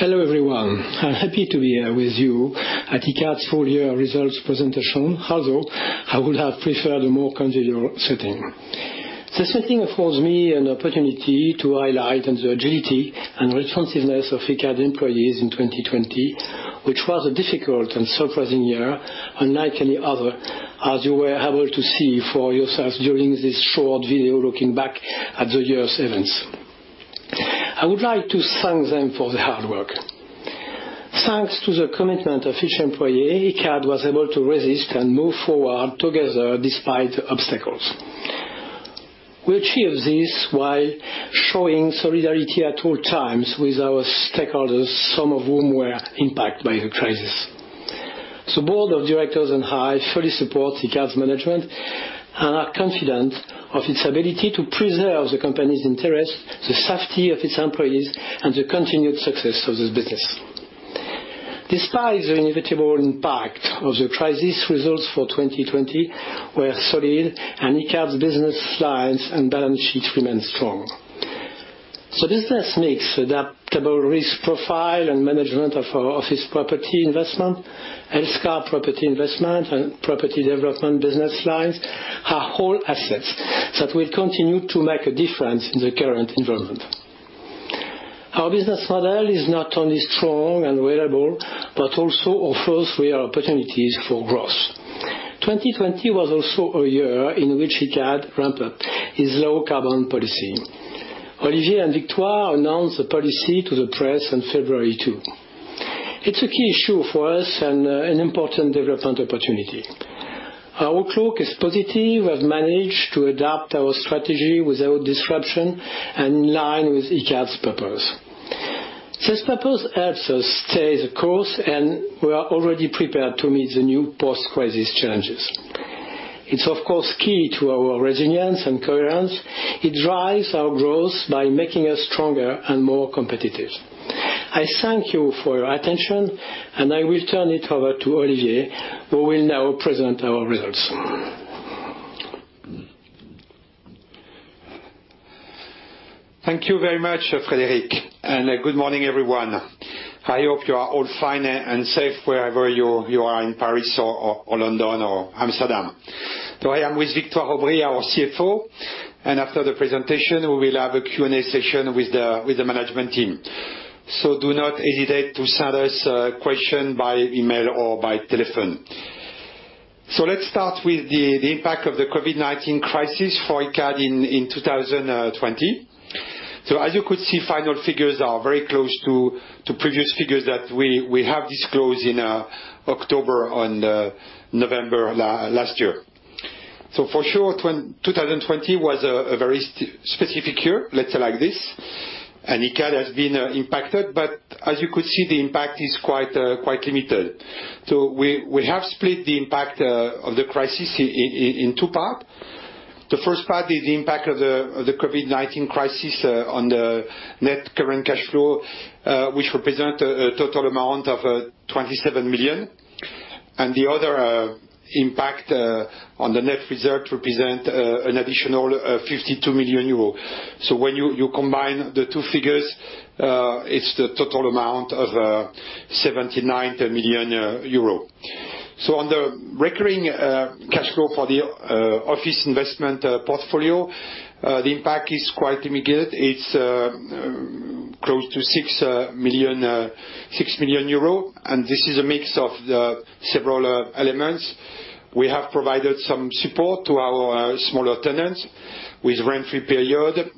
Hello, everyone. I'm happy to be here with you at Icade's full year results presentation, although I would have preferred a more convivial setting. This setting affords me an opportunity to highlight the agility and responsiveness of Icade employees in 2020, which was a difficult and surprising year unlike any other, as you were able to see for yourself during this short video looking back at the year's events. I would like to thank them for their hard work. Thanks to the commitment of each employee, Icade was able to resist and move forward together despite obstacles. We achieved this while showing solidarity at all times with our stakeholders, some of whom were impacted by the crisis. The board of directors and I fully support Icade's management and are confident of its ability to preserve the company's interests, the safety of its employees, and the continued success of this business. Despite the inevitable impact of the crisis, results for 2020 were solid, and Icade's business lines and balance sheet remain strong. The business mix, adaptable risk profile, and management of our office property investment, Healthcare Property Investment, and property development business lines are whole assets that will continue to make a difference in the current environment. Our business model is not only strong and reliable, but also offers real opportunities for growth. 2020 was also a year in which Icade ramped up its low carbon policy. Olivier and Victoire announced the policy to the press in February, too. It's a key issue for us and an important development opportunity. Our outlook is positive. We have managed to adapt our strategy without disruption and in line with Icade's purpose. This purpose helps us stay the course, and we are already prepared to meet the new post-crisis challenges. It's of course, key to our resilience and coherence. It drives our growth by making us stronger and more competitive. I thank you for your attention, I will turn it over to Olivier, who will now present our results. Thank you very much, Frédéric, good morning, everyone. I hope you are all fine and safe wherever you are in Paris or London or Amsterdam. I am with Victoire Aubry, our CFO, after the presentation, we will have a Q&A session with the management team. Do not hesitate to send us a question by email or by telephone. Let's start with the impact of the COVID-19 crisis for Icade in 2020. As you could see, final figures are very close to previous figures that we have disclosed in October and November last year. For sure, 2020 was a very specific year, let's say like this, Icade has been impacted, but as you could see, the impact is quite limited. We have split the impact of the crisis in two parts. The first part is the impact of the COVID-19 crisis on the net current cash flow, which represents a total amount of 27 million. The other impact on the net result represents an additional 52 million euros. When you combine the two figures, it is the total amount of 79 million euros. On the recurring cash flow for the office investment portfolio, the impact is quite limited. It is close to 6 million euros, and this is a mix of several elements. We have provided some support to our smaller tenants with rent-free period,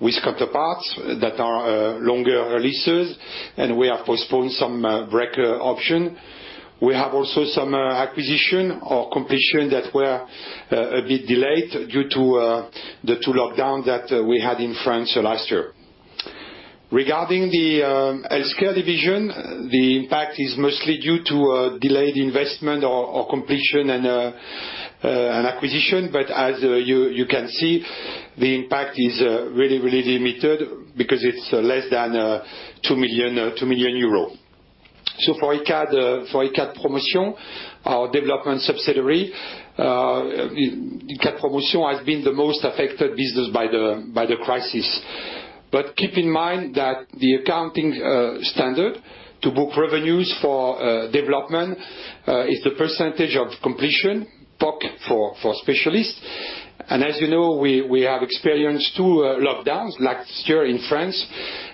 with counterparts that are longer leases, and we have postponed some break option. We have also some acquisition or completion that were a bit delayed due to lockdown that we had in France last year. Regarding the Healthcare division, the impact is mostly due to delayed investment or completion and acquisition. As you can see, the impact is really limited because it is less than 2 million euros. For Icade Promotion, our development subsidiary, Icade Promotion has been the most affected business by the crisis. Keep in mind that the accounting standard to book revenues for development is the percentage of completion, POC, for specialists. As you know, we have experienced two lockdowns last year in France,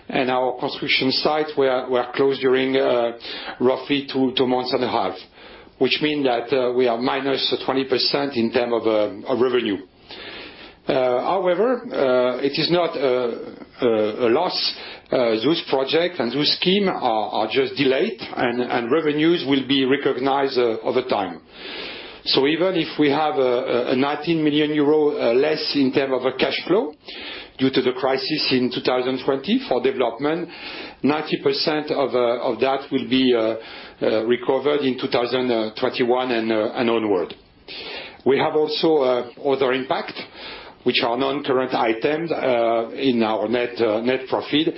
and our construction sites were closed during roughly two months and a half, which means that we are -20% in terms of revenue. However, it is not a loss. Those projects and those schemes are just delayed, and revenues will be recognized over time. Even if we have 19 million euro less in terms of cash flow due to the crisis in 2020 for development, 90% of that will be recovered in 2021 and onward. We have also other impact, which are non-current items in our net profit.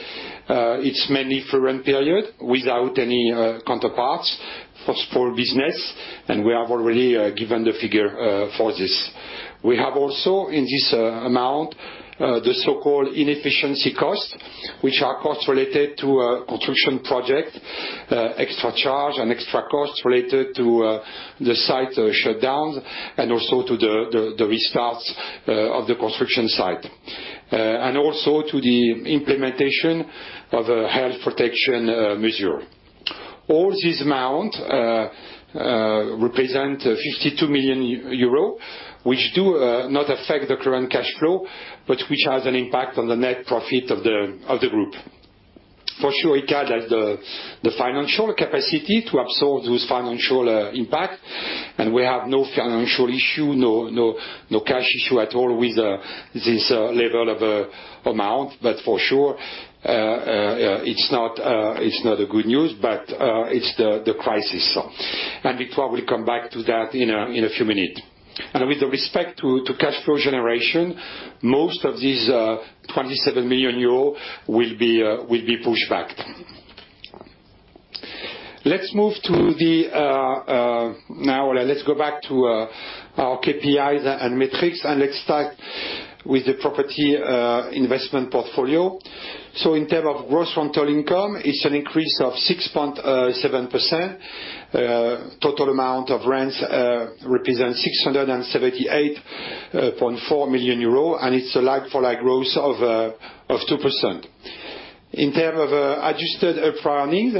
It is mainly for rent period without any counterparts for small business, and we have already given the figure for this. We have also, in this amount, the so-called inefficiency cost, which are costs related to a construction project, extra charge and extra costs related to the site shutdowns, and also to the restarts of the construction site. Also to the implementation of a health protection measure. All this amount represent 52 million euro, which do not affect the current cash flow, but which has an impact on the net profit of the group. For sure, Icade has the financial capacity to absorb those financial impact, and we have no financial issue, no cash issue at all with this level of amount. For sure, it is not good news, but it is the crisis. Victoire will come back to that in a few minutes. With respect to cash flow generation, most of this 27 million euros will be pushed back. Let's go back to our KPIs and metrics, let's start with the property investment portfolio. In terms of gross rental income, it is an increase of 6.7%. Total amount of rents represent 678.4 million euro, it is a like-for-like growth of 2%. In terms of adjusted EPRA earnings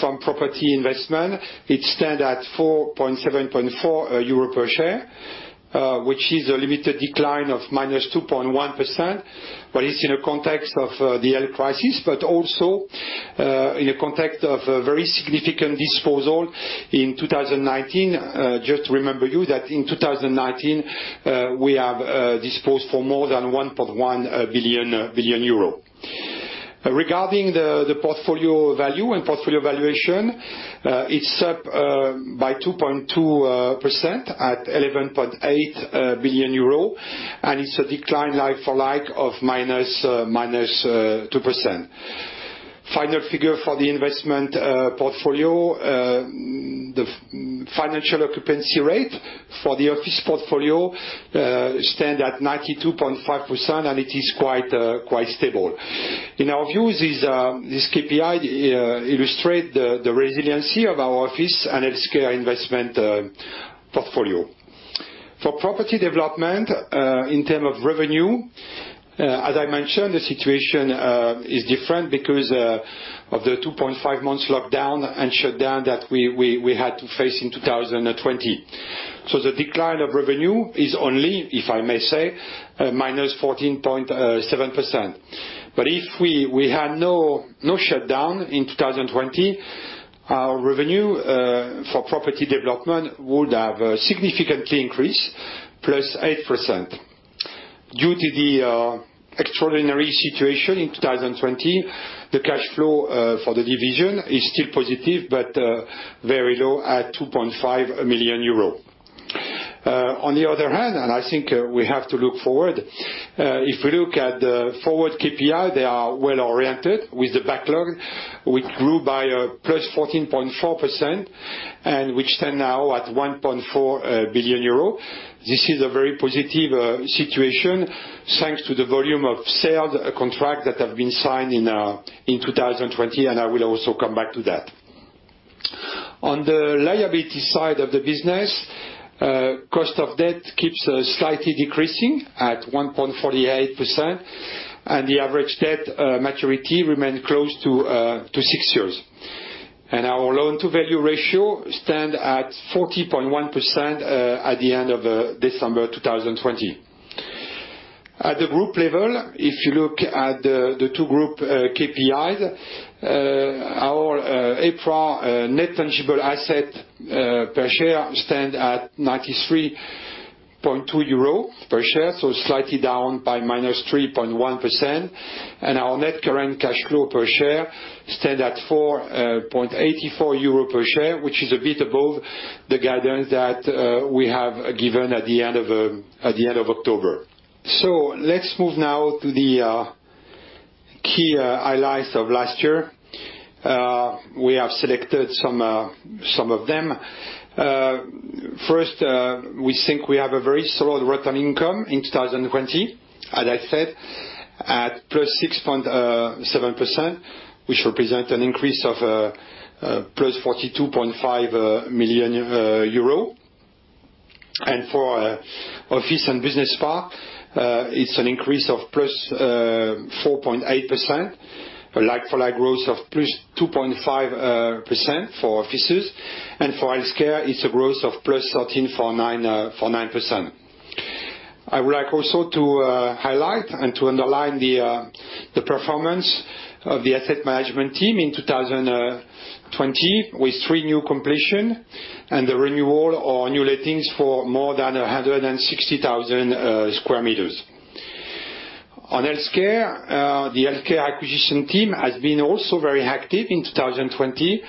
from property investment, it stands at 4.74 euro per share, which is a limited decline of -2.1%. It is in a context of the health crisis, also, in a context of a very significant disposal in 2019. Just to remind you that in 2019, we have disposed for more than 1.1 billion. Regarding the portfolio value and portfolio valuation, it is up by 2.2% at 11.8 billion euro, and it is a decline like-for-like of -2%. Final figure for the investment portfolio, the financial occupancy rate for the office portfolio stands at 92.5%, and it is quite stable. In our view, this KPI illustrates the resiliency of our office and Healthcare investment portfolio. For property development, in terms of revenue, as I mentioned, the situation is different because of the 2.5 months lockdown and shutdown that we had to face in 2020. The decline of revenue is only, if I may say, -14.7%. But if we had no shutdown in 2020, our revenue for property development would have significantly increased, +8%. Due to the extraordinary situation in 2020, the cash flow for the division is still positive, but very low at 2.5 million euro. On the other hand, and I think we have to look forward, if we look at the forward KPI, they are well-oriented with the backlog, which grew by +14.4% and which stands now at 1.4 billion euro. This is a very positive situation thanks to the volume of sales contract that have been signed in 2020, and I will also come back to that. On the liability side of the business, cost of debt keeps slightly decreasing at 1.48%, and the average debt maturity remains close to six years. And our loan-to-value ratio stands at 40.1% at the end of December 2020. At the group level, if you look at the two group KPIs, our EPRA net tangible asset per share stands at 93.2 euro per share, so slightly down by -3.1%, and our net current cash flow per share stands at 4.84 euro per share, which is a bit above the guidance that we have given at the end of October. Let's move now to the key highlights of last year. We have selected some of them. First, we think we have a very solid revenue income in 2020, as I said, at +6.7%, which represent an increase of 42.5 million euro. And for office and business park, it is an increase of +4.8%, a like-for-like growth of +2.5% for offices. And for Healthcare, it is a growth of +13.9%. I would like also to highlight and to underline the performance of the asset management team in 2020 with three new completion and the renewal or new lettings for more than 160,000 sq m. On Healthcare, the Healthcare acquisition team has been also very active in 2020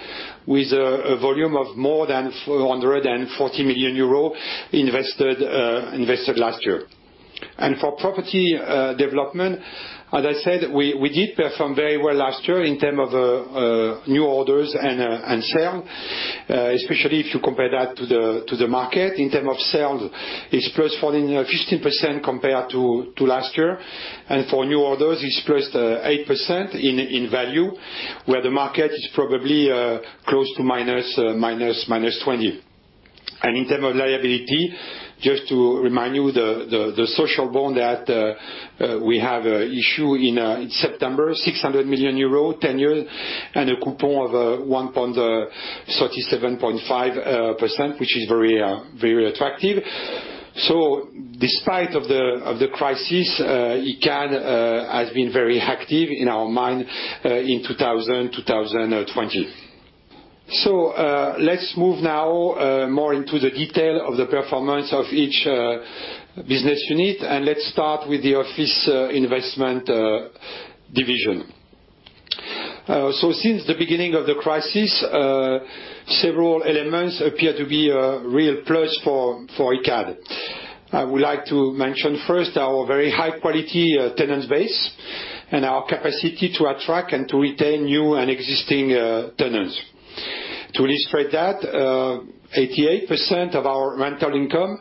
with a volume of more than 440 million euros invested last year. And for property development, as I said, we did perform very well last year in terms of new orders and sales, especially if you compare that to the market. In terms of sales, it is +15% compared to last year. And for new orders, it is +8% in value, where the market is probably close to -20%. And in terms of liability, just to remind you, the social bond that we have issued in September, 600 million euro, 10-year, and a coupon of 1.375%, which is very attractive. Despite of the crisis, Icade has been very active in our mind, in 2020. Let's move now more into the detail of the performance of each business unit, and let's start with the office investment division. Since the beginning of the crisis, several elements appear to be a real plus for Icade. I would like to mention first our very high-quality tenants base and our capacity to attract and to retain new and existing tenants. To illustrate that, 88% of our rental income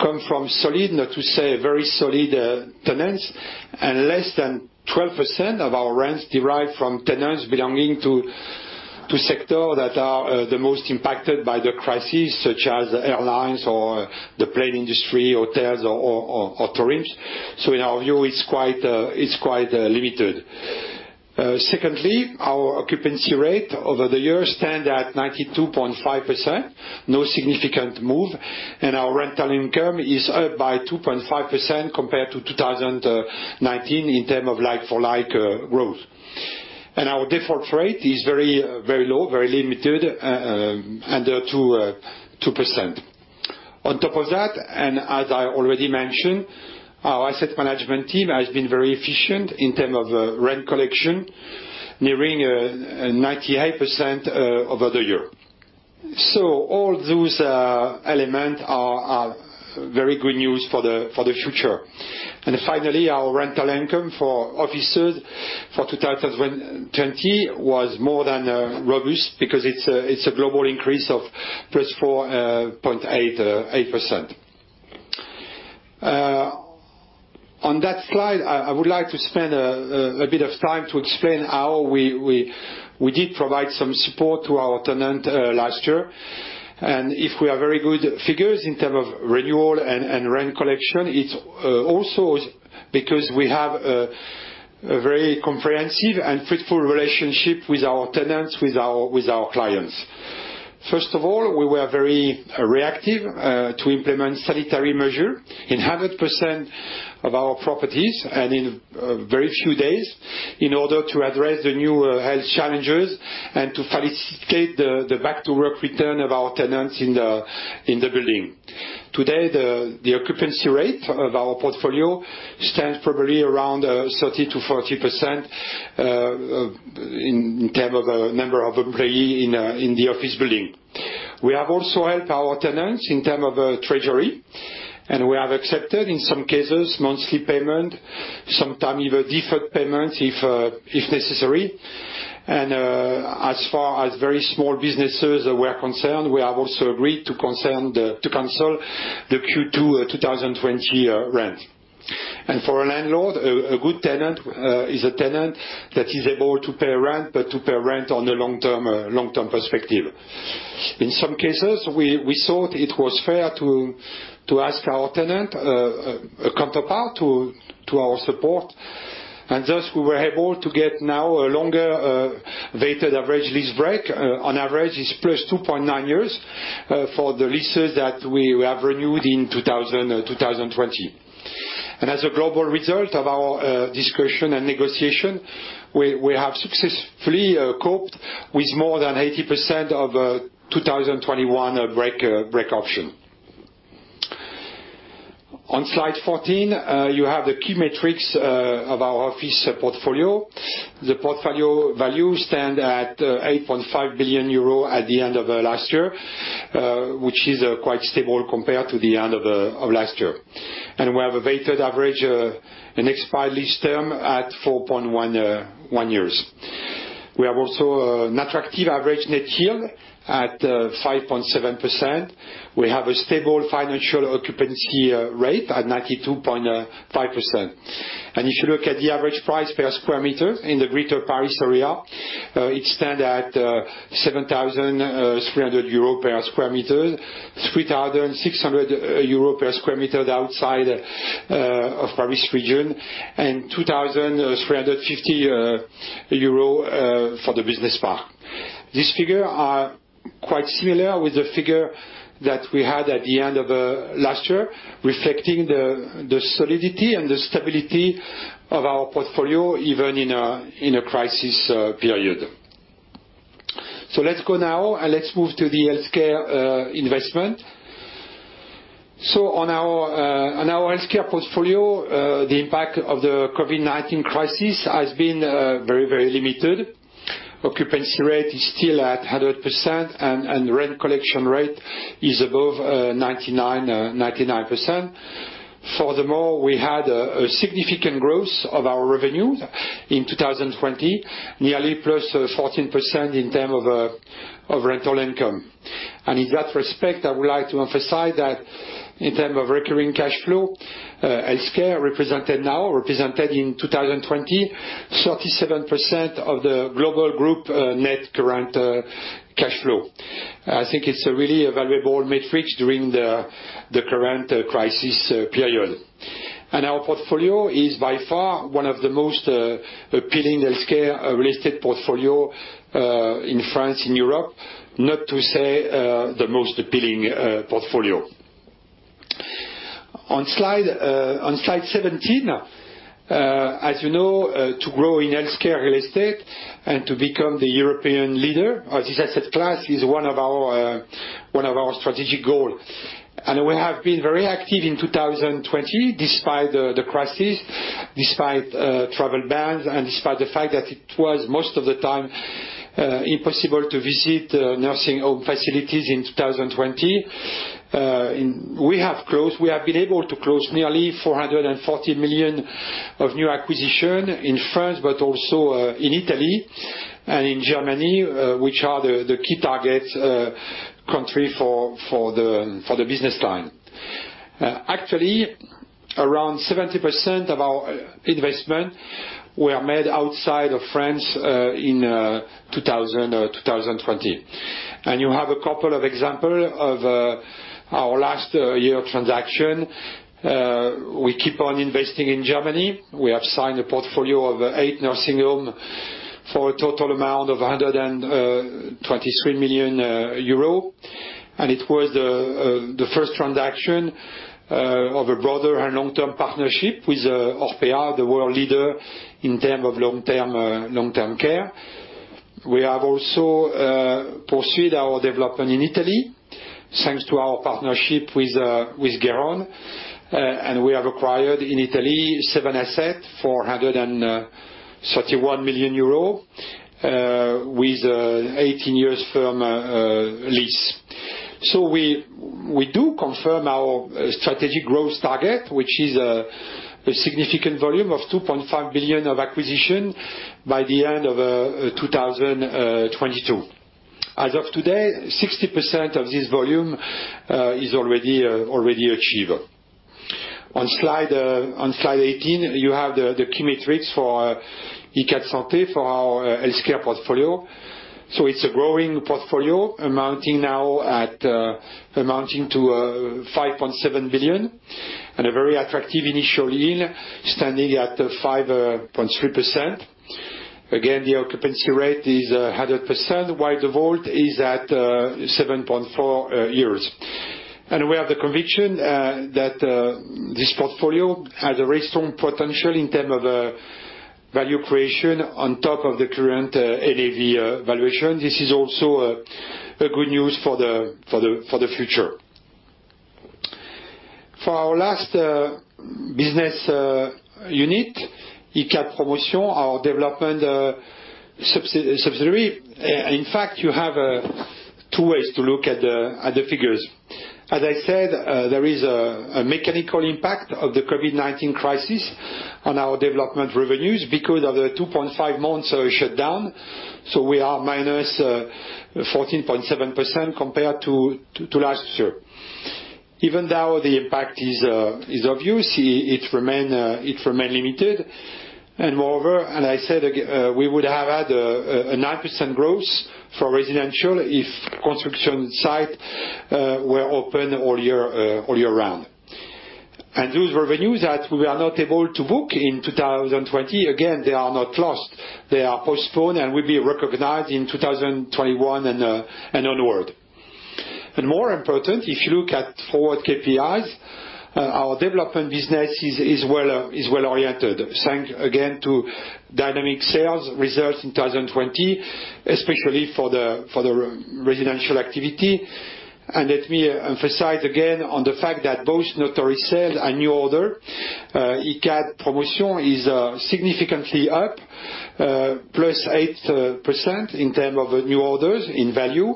comes from solid, not to say very solid, tenants, and less than 12% of our rents derive from tenants belonging to sectors that are the most impacted by the crisis, such as airlines or the plane industry, hotels or tourism. In our view, it's quite limited. Secondly, our occupancy rate over the years stand at 92.5%, no significant move, our rental income is up by 2.5% compared to 2019 in terms of like-for-like growth. Our default rate is very low, very limited, under 2%. On top of that, as I already mentioned, our asset management team has been very efficient in terms of rent collection, nearing 98% over the year. All those elements are very good news for the future. Finally, our rental income for offices for 2020 was more than robust because it's a global increase of +4.88%. On that slide, I would like to spend a bit of time to explain how we did provide some support to our tenants last year. If we have very good figures in terms of renewal and rent collection, it's also because we have a very comprehensive and fruitful relationship with our tenants, with our clients. First of all, we were very reactive to implement sanitary measure in 100% of our properties and in very few days in order to address the new health challenges and to facilitate the back-to-work return of our tenants in the building. Today, the occupancy rate of our portfolio stands probably around 30%-40% in terms of number of employees in the office building. We have also helped our tenants in terms of treasury, we have accepted, in some cases, monthly payment, sometime even deferred payment if necessary. As far as very small businesses were concerned, we have also agreed to cancel the Q2 2020 rent. For a landlord, a good tenant is a tenant that is able to pay rent, but to pay rent on a long-term perspective. In some cases, we thought it was fair to ask our tenant counterpart to our support. Thus, we were able to get now a longer weighted average lease break. On average, it's +2.9 years for the leases that we have renewed in 2020. As a global result of our discussion and negotiation, we have successfully coped with more than 80% of 2021 break option. On slide 14, you have the key metrics of our office portfolio. The portfolio value stand at €8.5 billion at the end of last year, which is quite stable compared to the end of last year. We have a weighted average unexpired lease term at 4.1 years. We have also an attractive average net yield at 5.7%. We have a stable financial occupancy rate at 92.5%. If you look at the average price per square meter in the Greater Paris area, it stand at EUR 7,300 per sq m, 3,600 euro per sq m outside of Paris region, and 2,350 euro for the business park. These figures are quite similar with the figure that we had at the end of last year, reflecting the solidity and the stability of our portfolio, even in a crisis period. Let's go now, and let's move to the Healthcare investment. On our Healthcare portfolio, the impact of the COVID-19 crisis has been very limited. Occupancy rate is still at 100%, and rent collection rate is above 99%. Furthermore, we had a significant growth of our revenue in 2020, nearly +14% in term of rental income. In that respect, I would like to emphasize that in term of recurring cash flow, Healthcare represented in 2020, 37% of the global group net current cash flow. I think it's a really valuable metric during the current crisis period. Our portfolio is by far one of the most appealing Healthcare real estate portfolio in France, in Europe, not to say the most appealing portfolio. On slide 17, as you know, to grow in Healthcare real estate and to become the European leader of this asset class is one of our strategic goal. We have been very active in 2020 despite the crisis, despite travel bans, and despite the fact that it was most of the time impossible to visit nursing home facilities in 2020. We have been able to close nearly 440 million of new acquisition in France, but also in Italy and in Germany, which are the key target country for the business line. Actually, around 70% of our investment were made outside of France in 2020. You have a couple of example of our last year transaction. We keep on investing in Germany. We have signed a portfolio of eight nursing home for a total amount of 123 million euro. It was the first transaction of a broader and long-term partnership with Orpea, the world leader in term of long-term care. We have also pursued our development in Italy, thanks to our partnership with Gheron. We have acquired in Italy seven asset for EUR 131 million, with 18 years firm lease. We do confirm our strategic growth target, which is a significant volume of 2.5 billion of acquisition by the end of 2022. As of today, 60% of this volume is already achieved. On slide 18, you have the key metrics for Icade Santé, for our Healthcare portfolio. It's a growing portfolio amounting to 5.7 billion and a very attractive initial yield, standing at 5.3%. Again, the occupancy rate is 100%, while the WALT is at 7.4 years. We have the conviction that this portfolio has a very strong potential in term of value creation on top of the current NAV valuation. This is also a good news for the future. For our last business unit, Icade Promotion, our development subsidiary. In fact, you have two ways to look at the figures. As I said, there is a mechanical impact of the COVID-19 crisis on our development revenues because of the 2.5 months shut down. We are minus 14.7% compared to last year. Even though the impact is obvious, it remain limited, moreover, I said, we would have had a 9% growth for residential if construction site were open all year round. Those revenues that we were not able to book in 2020, again, they are not lost. They are postponed and will be recognized in 2021 and onward. More important, if you look at forward KPIs, our development business is well-oriented, thanks again to dynamic sales results in 2020, especially for the residential activity. Let me emphasize again on the fact that both notary sales and new order, Icade Promotion is significantly up, plus 8% in term of new orders in value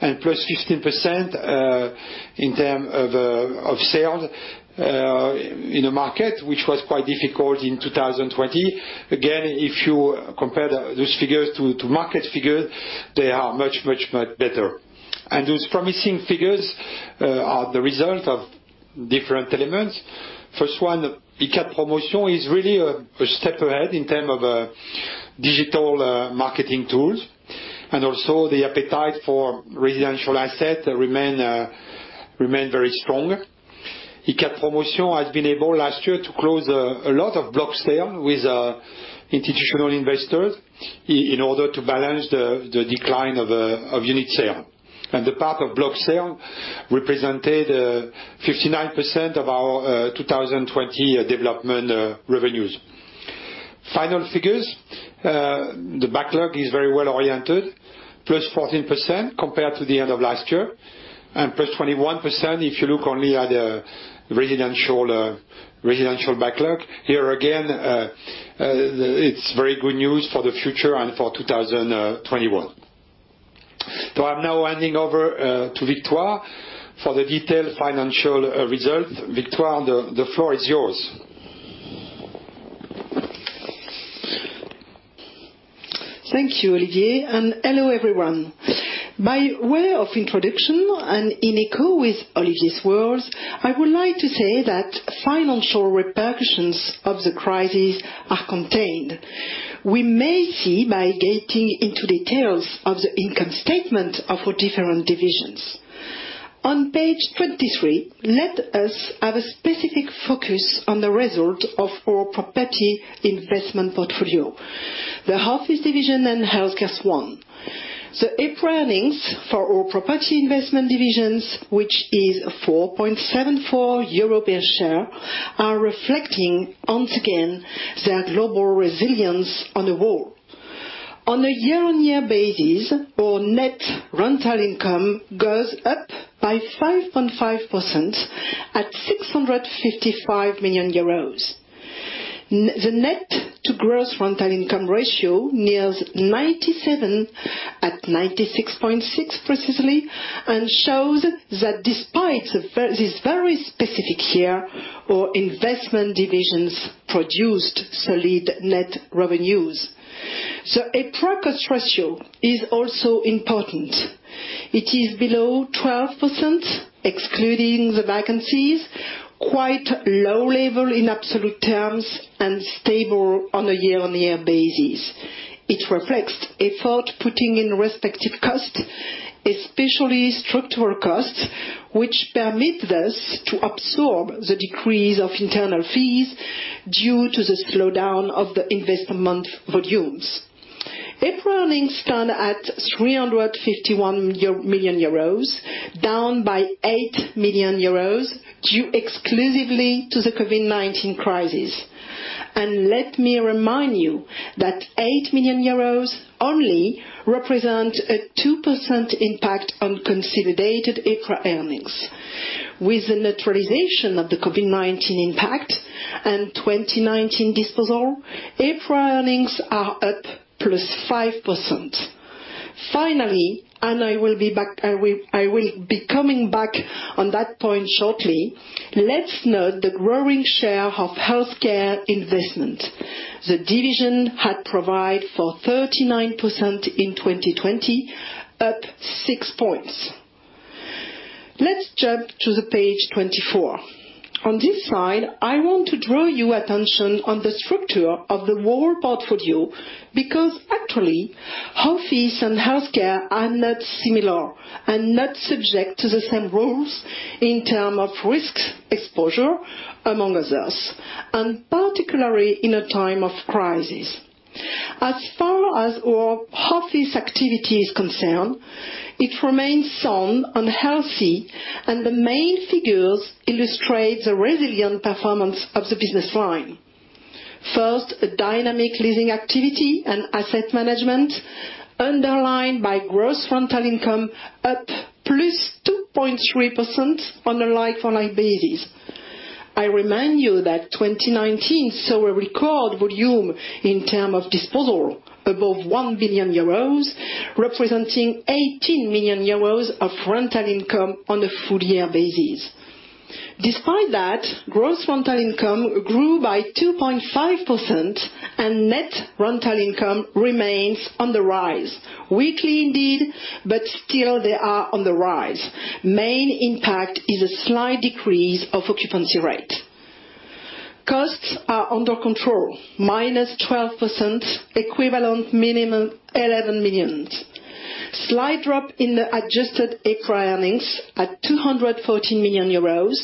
and plus 15% in term of sales in a market, which was quite difficult in 2020. Again, if you compare those figures to market figures, they are much better. Those promising figures are the result of different elements. First one, Icade Promotion is really a step ahead in term of digital marketing tools, and also the appetite for residential asset remain very strong. Icade Promotion has been able last year to close a lot of block sale with institutional investors in order to balance the decline of unit sale. The part of block sale represented 59% of our 2020 development revenues. Final figures, the backlog is very well oriented, plus 14% compared to the end of last year. Plus 21%, if you look only at the residential backlog. Here again, it's very good news for the future and for 2021. I'm now handing over to Victoire for the detailed financial result. Victoire, the floor is yours. Thank you, Olivier, and hello, everyone. By way of introduction and in echo with Olivier's words, I would like to say that financial repercussions of the crisis are contained. We may see by getting into details of the income statement of our different divisions. On page 23, let us have a specific focus on the result of our property investment portfolio, the office division and Icade Santé. The EPRA earnings for our property investment divisions, which is 4.74 per share, are reflecting, once again, their global resilience on the whole. On a year-on-year basis, our net rental income goes up by 5.5% at 655 million euros. The net to gross rental income ratio nears 97% at 96.6% precisely, and shows that despite this very specific year, our investment divisions produced solid net revenues. EPRA cost ratio is also important. It is below 12%, excluding the vacancies, quite low level in absolute terms, and stable on a year-on-year basis. It reflects effort put in respective costs, especially structural costs, which permit us to absorb the decrease of internal fees due to the slowdown of the investment volumes. EPRA earnings stand at 351 million euros, down by 8 million euros, due exclusively to the COVID-19 crisis. Let me remind you that 8 million euros only represents a 2% impact on consolidated EPRA earnings. With the neutralization of the COVID-19 impact and 2019 disposal, EPRA earnings are up +5%. I will be coming back on that point shortly, let's note the growing share of Healthcare investment. The division provided for 39% in 2020, up 6 points. Let's jump to page 24. On this slide, I want to draw your attention on the structure of the whole portfolio, because actually, office and Healthcare are not similar and not subject to the same rules in terms of risk exposure, among others, and particularly in a time of crisis. As far as our office activity is concerned, it remains sound and healthy, and the main figures illustrate the resilient performance of the business line. First, a dynamic leasing activity and asset management underlined by gross rental income up +2.3% on a like-for-like basis. I remind you that 2019 saw a record volume in terms of disposal, above 1 billion euros, representing 18 million euros of rental income on a full year basis. Despite that, gross rental income grew by 2.5%, and net rental income remains on the rise. Weakly indeed, but still they are on the rise. Main impact is a slight decrease of occupancy rate. Costs are under control, -12%, equivalent minimum 11 million. Slight drop in the adjusted EPRA earnings at 214 million euros,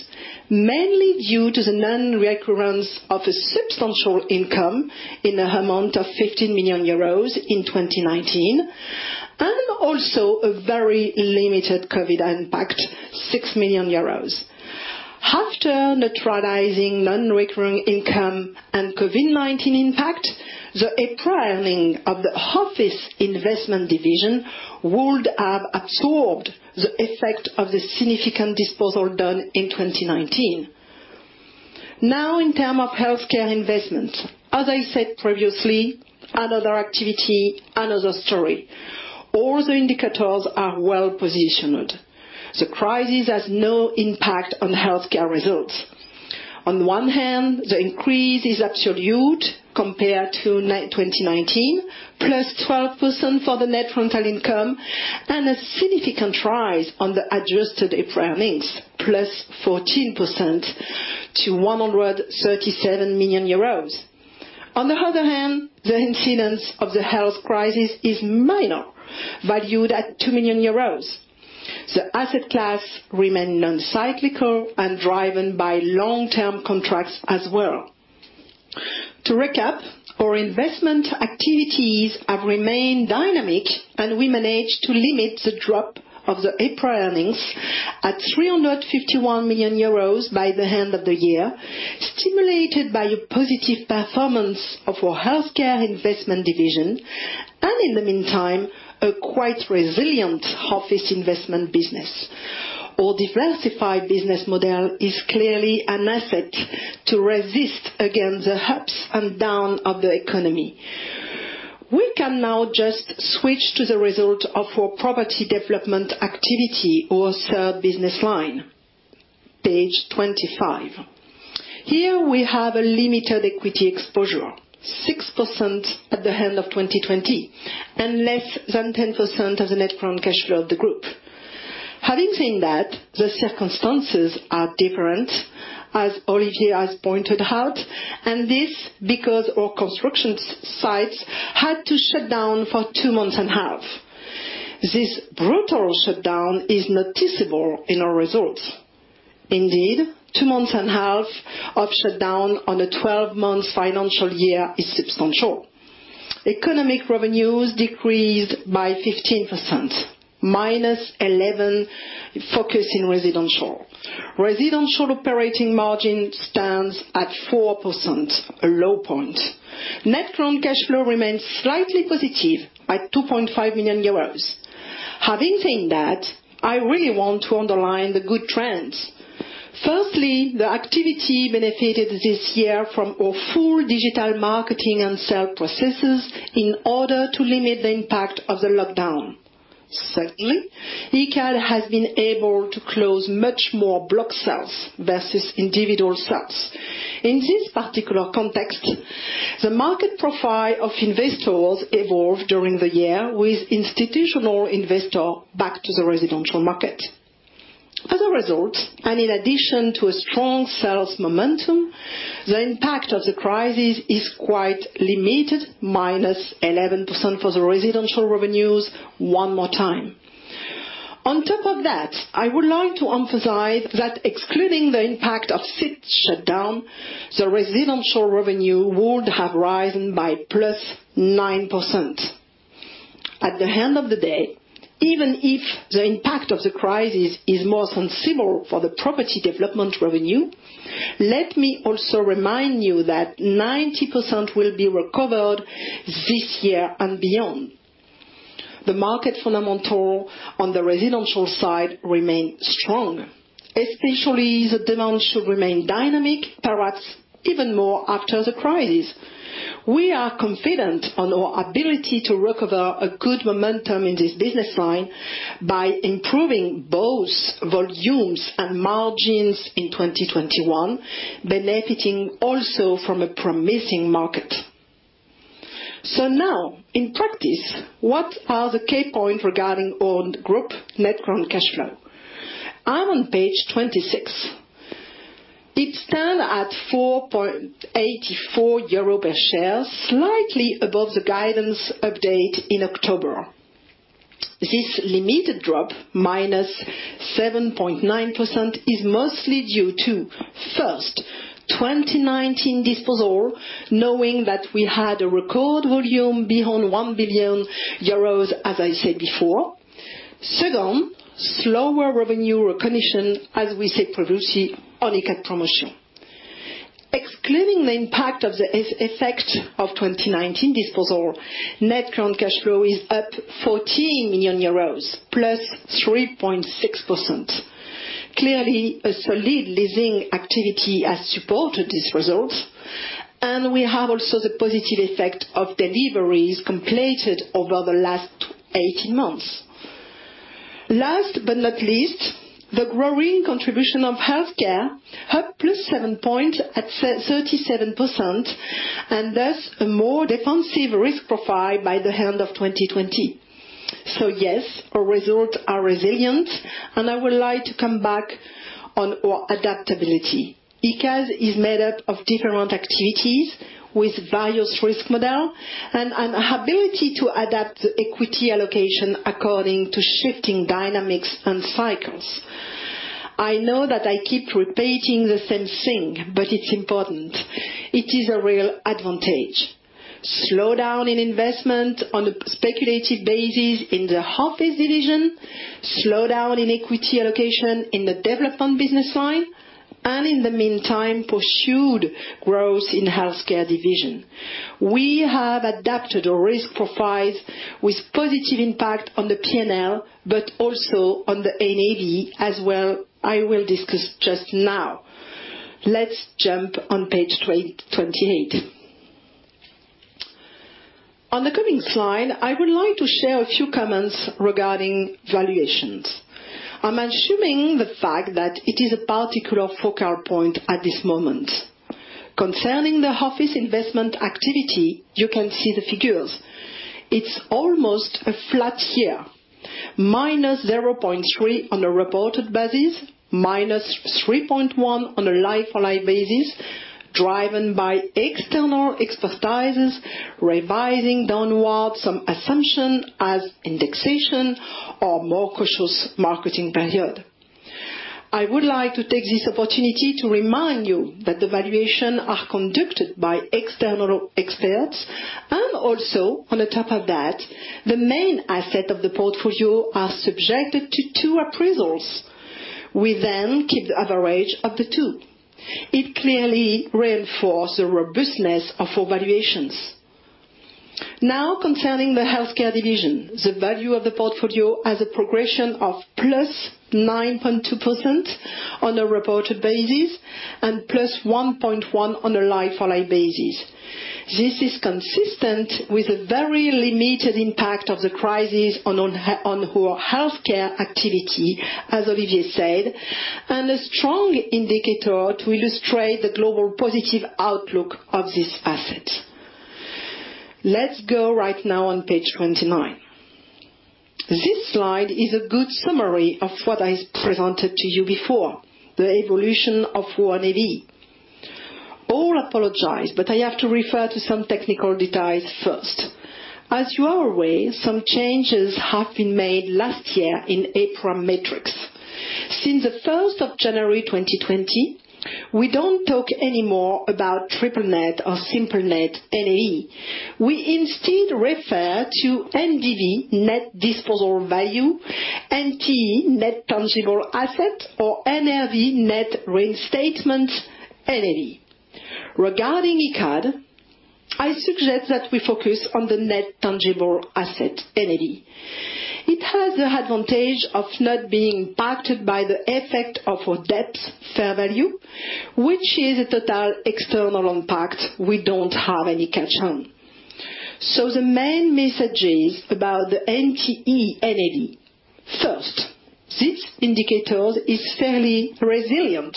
mainly due to the non-recurrence of a substantial income in the amount of 15 million euros in 2019, and also a very limited COVID-19 impact, 6 million euros. After neutralizing non-recurring income and COVID-19 impact, the EPRA earnings of the office investment division would have absorbed the effect of the significant disposal done in 2019. In terms of Healthcare investment, as I said previously, another activity, another story. All the indicators are well-positioned. The crisis has no impact on Healthcare results. On one hand, the increase is absolute compared to 2019, +12% for the net rental income, and a significant rise on the adjusted EPRA earnings, +14% to 137 million euros. On the other hand, the incidence of the health crisis is minor, valued at 2 million euros. Asset class remains non-cyclical and driven by long-term contracts as well. Our investment activities have remained dynamic, and we managed to limit the drop of the EPRA earnings at 351 million euros by the end of the year, stimulated by a positive performance of our Healthcare investment division. In the meantime, a quite resilient office investment business. Our diversified business model is clearly an asset to resist against the ups and downs of the economy. We can now just switch to the result of our property development activity, our third business line. Page 25. Here we have a limited equity exposure, 6% at the end of 2020 and less than 10% of the net current cash flow of the group. Having said that, the circumstances are different, as Olivier has pointed out, and this because our construction sites had to shut down for 2 months and a half. This brutal shutdown is noticeable in our results. Indeed, 2 months and a half of shutdown on a 12-month financial year is substantial. Economic revenues decreased by 15%, minus 11 focus in residential. Residential operating margin stands at 4%, a low point. Net current cash flow remains slightly positive by 2.5 million euros. Having said that, I really want to underline the good trends. Firstly, the activity benefited this year from our full digital marketing and sales processes in order to limit the impact of the lockdown. Secondly, Icade has been able to close much more block sales versus individual sales. In this particular context, the market profile of investors evolved during the year, with institutional investor back to the residential market. As a result, and in addition to a strong sales momentum, the impact of the crisis is quite limited, minus 11% for the residential revenues one more time. On top of that, I would like to emphasize that excluding the impact of site shutdown, the residential revenue would have risen by +9%. At the end of the day, even if the impact of the crisis is more sensible for the property development revenue, let me also remind you that 90% will be recovered this year and beyond. The market fundamental on the residential side remain strong, especially the demand should remain dynamic, perhaps even more after the crisis. We are confident on our ability to recover a good momentum in this business line by improving both volumes and margins in 2021, benefiting also from a promising market. Now, in practice, what are the key point regarding on group net current cash flow? I'm on page 26. It stand at 4.84 euro per share, slightly above the guidance update in October. This limited drop, minus 7.9%, is mostly due to, first, 2019 disposal, knowing that we had a record volume beyond 1 billion euros, as I said before. Second, slower revenue recognition, as we said previously, on Icade Promotion. Excluding the impact of the effect of 2019 disposal, net current cash flow is up 14 million euros, +3.6%. Clearly, a solid leasing activity has supported this result, and we have also the positive effect of deliveries completed over the last 18 months. Last but not least, the growing contribution of Healthcare, up plus seven point at 37%, and thus a more defensive risk profile by the end of 2020. Yes, our results are resilient, and I would like to come back on our adaptability. Icade is made up of different activities with various risk model and an ability to adapt equity allocation according to shifting dynamics and cycles. I know that I keep repeating the same thing, but it's important. It is a real advantage. Slow down in investment on a speculative basis in the office division, slow down in equity allocation in the development business line, and in the meantime, pursued growth in Healthcare division. We have adapted our risk profile with positive impact on the P&L, but also on the NAV as well, I will discuss just now. Let's jump on page 28. On the coming slide, I would like to share a few comments regarding valuations. I'm assuming the fact that it is a particular focal point at this moment. Concerning the office investment activity, you can see the figures. It's almost a flat year, -0.3% on a reported basis, -3.1% on a like-for-like basis, driven by external expertises revising downward some assumptions as indexation or more cautious marketing period. I would like to take this opportunity to remind you that the valuations are conducted by external experts, and also on top of that, the main asset of the portfolio are subjected to two appraisals. We then keep the average of the two. It clearly reinforces the robustness of our valuations. Concerning the Healthcare division, the value of the portfolio has a progression of +9.2% on a reported basis, and +1.1% on a like-for-like basis. This is consistent with a very limited impact of the crisis on our Healthcare activity, as Olivier said, and a strong indicator to illustrate the global positive outlook of this asset. Let's go right now on page 29. This slide is a good summary of what I presented to you before, the evolution of our NAV. I apologize, but I have to refer to some technical details first. As you are aware, some changes have been made last year in EPRA metrics. Since the 1st of January 2020, we don't talk anymore about triple net or simple net NAV. We instead refer to NDV, net disposal value, NTA, net tangible asset, or NRV, net reinstatement NAV. Regarding Icade, I suggest that we focus on the net tangible asset, NTA. It has the advantage of not being impacted by the effect of our debt fair value, which is a total external impact we don't have any cash on. The main messages about the NTA NAV. First, this indicator is fairly resilient.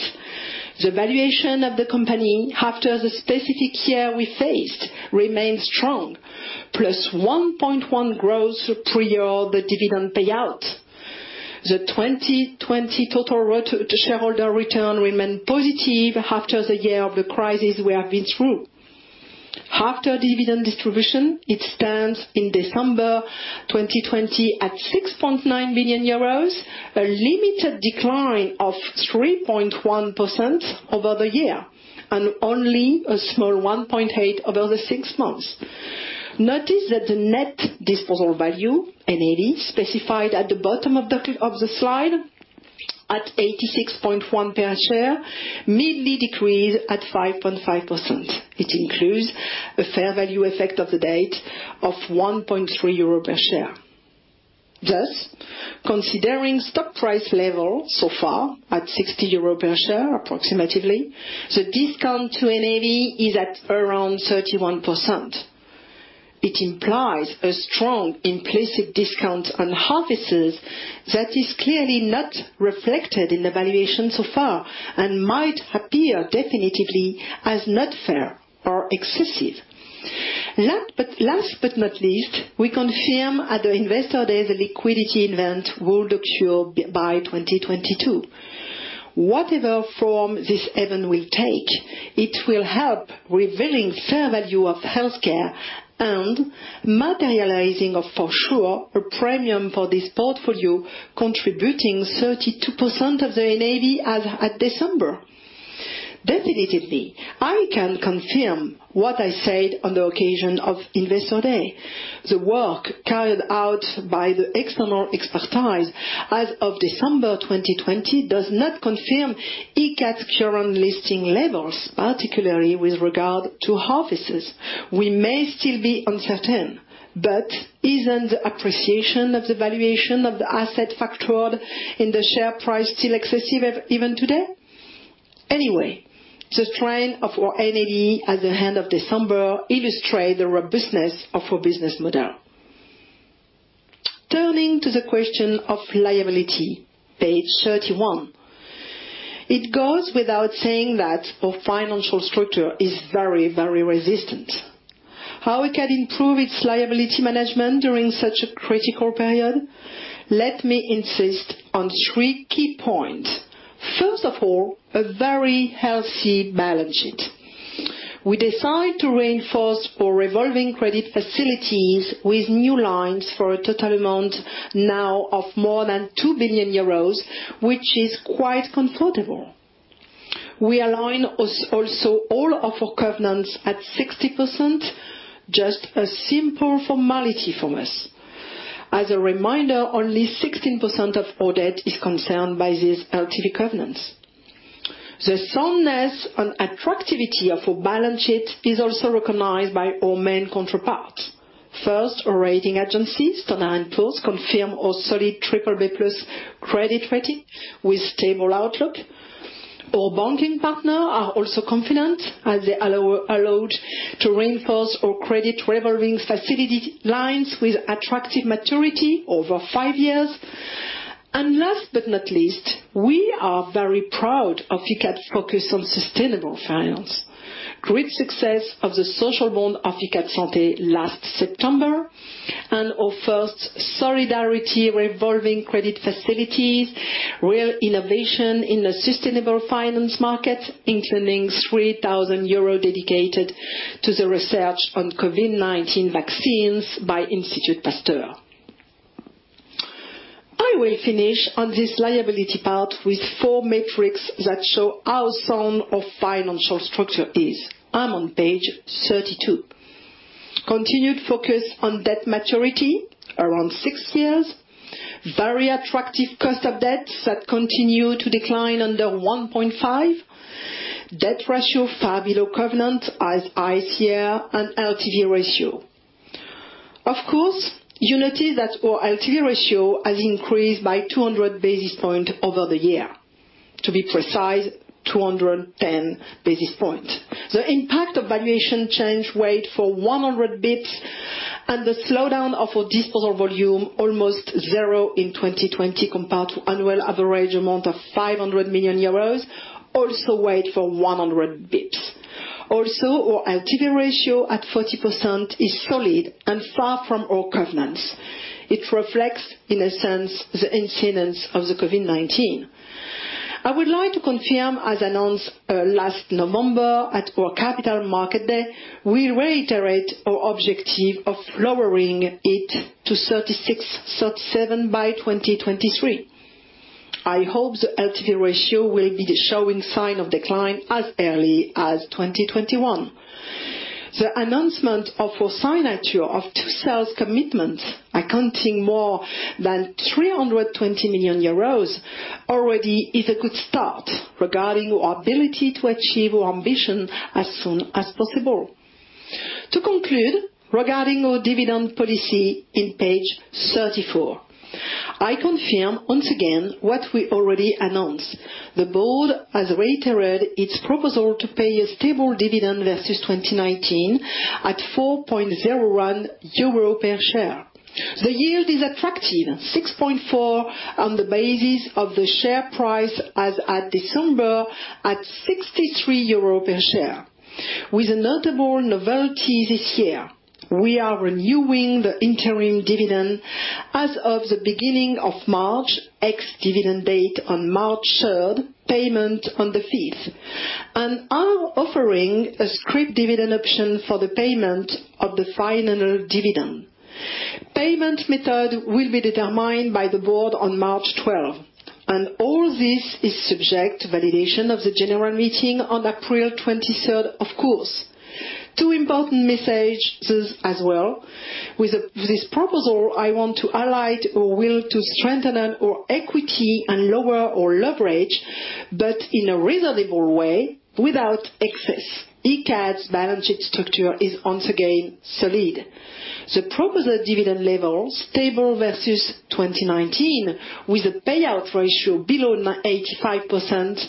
The valuation of the company after the specific year we faced remains strong, +1.1% growth pre the dividend payout. The 2020 total shareholder return remained positive after the year of the crisis we have been through. After dividend distribution, it stands in December 2020 at 6.9 billion euros, a limited decline of 3.1% over the year, and only a small 1.8% over the six months. Notice that the net disposal value, NDV, specified at the bottom of the slide at 86.1 per share, merely decreased by 5.5%. It includes a fair value effect of the debt of 1.3 euro per share. Considering stock price level so far at 60 euro per share, approximately, the discount to NAV is at around 31%. It implies a strong implicit discount on Healthcare assets that is clearly not reflected in the valuation so far, and might appear definitely as not fair or excessive. Last but not least, we confirm at the Investor Day the liquidity event will occur by 2022. Whatever form this event will take, it will help revealing fair value of Healthcare and materializing, for sure, a premium for this portfolio, contributing 32% of the NAV as of December. I can confirm what I said on the occasion of Investor Day. The work carried out by the external expertise as of December 2020 does not confirm Icade's current listing levels, particularly with regard to Healthcare assets. We may still be uncertain, but isn't the appreciation of the valuation of the asset factored in the share price still excessive even today? The strength of our NAV at the end of December illustrate the robustness of our business model. Turning to the question of liability, page 31. It goes without saying that our financial structure is very, very resistant. How we can improve its liability management during such a critical period? Let me insist on three key points. First of all, a very healthy balance sheet. We decide to reinforce our revolving credit facilities with new lines for a total amount now of more than €2 billion, which is quite comfortable. We align also all of our covenants at 60%, just a simple formality for us. As a reminder, only 16% of our debt is concerned by these LTV covenants. The soundness and attractivity of our balance sheet is also recognized by our main counterparts. First, our rating agencies, Standard & Poor's, confirm our solid BBB+ credit rating with stable outlook. Our banking partner are also confident as they allowed to reinforce our credit revolving facility lines with attractive maturity over five years. Last but not least, we are very proud of Icade's focus on sustainable finance. Great success of the social bond of Icade Santé last September, and our first solidarity revolving credit facilities, real innovation in the sustainable finance market, including 3,000 euros dedicated to the research on COVID-19 vaccines by Institut Pasteur. I will finish on this liability part with four metrics that show how sound our financial structure is. I'm on page 32. Continued focus on debt maturity around six years. Very attractive cost of debts that continue to decline under 1.5. Debt ratio far below covenant as ICR and LTV ratio. Of course, you notice that our LTV ratio has increased by 200 basis points over the year. To be precise, 210 basis points. The impact of valuation change weighed for 100 basis points, and the slowdown of our disposal volume almost zero in 2020, compared to annual average amount of 500 million euros, also weighed for 100 basis points. Also, our LTV ratio at 40% is solid and far from our covenants. It reflects, in a sense, the incidence of the COVID-19. I would like to confirm, as announced last November at our Capital Markets Day, we reiterate our objective of lowering it to 36, 37 by 2023. I hope the LTV ratio will be showing sign of decline as early as 2021. The announcement of our signature of two sales commitments accounting more than 320 million euros already is a good start regarding our ability to achieve our ambition as soon as possible. To conclude, regarding our dividend policy on page 34, I confirm, once again, what we already announced. The board has reiterated its proposal to pay a stable dividend versus 2019 at 4.01 euro per share. The yield is attractive, 6.4 on the basis of the share price as at December, at €63 per share. With a notable novelty this year. We are renewing the interim dividend as of the beginning of March, ex-dividend date on March 3rd, payment on the 5th, and are offering a scrip dividend option for the payment of the final dividend. Payment method will be determined by the board on March 12. All this is subject to validation of the general meeting on April 23rd, of course. Two important messages as well. With this proposal, I want to highlight our will to strengthen our equity and lower our leverage, but in a reasonable way, without excess. Icade's balance sheet structure is once again solid. The proposed dividend level, stable versus 2019, with a payout ratio below 85%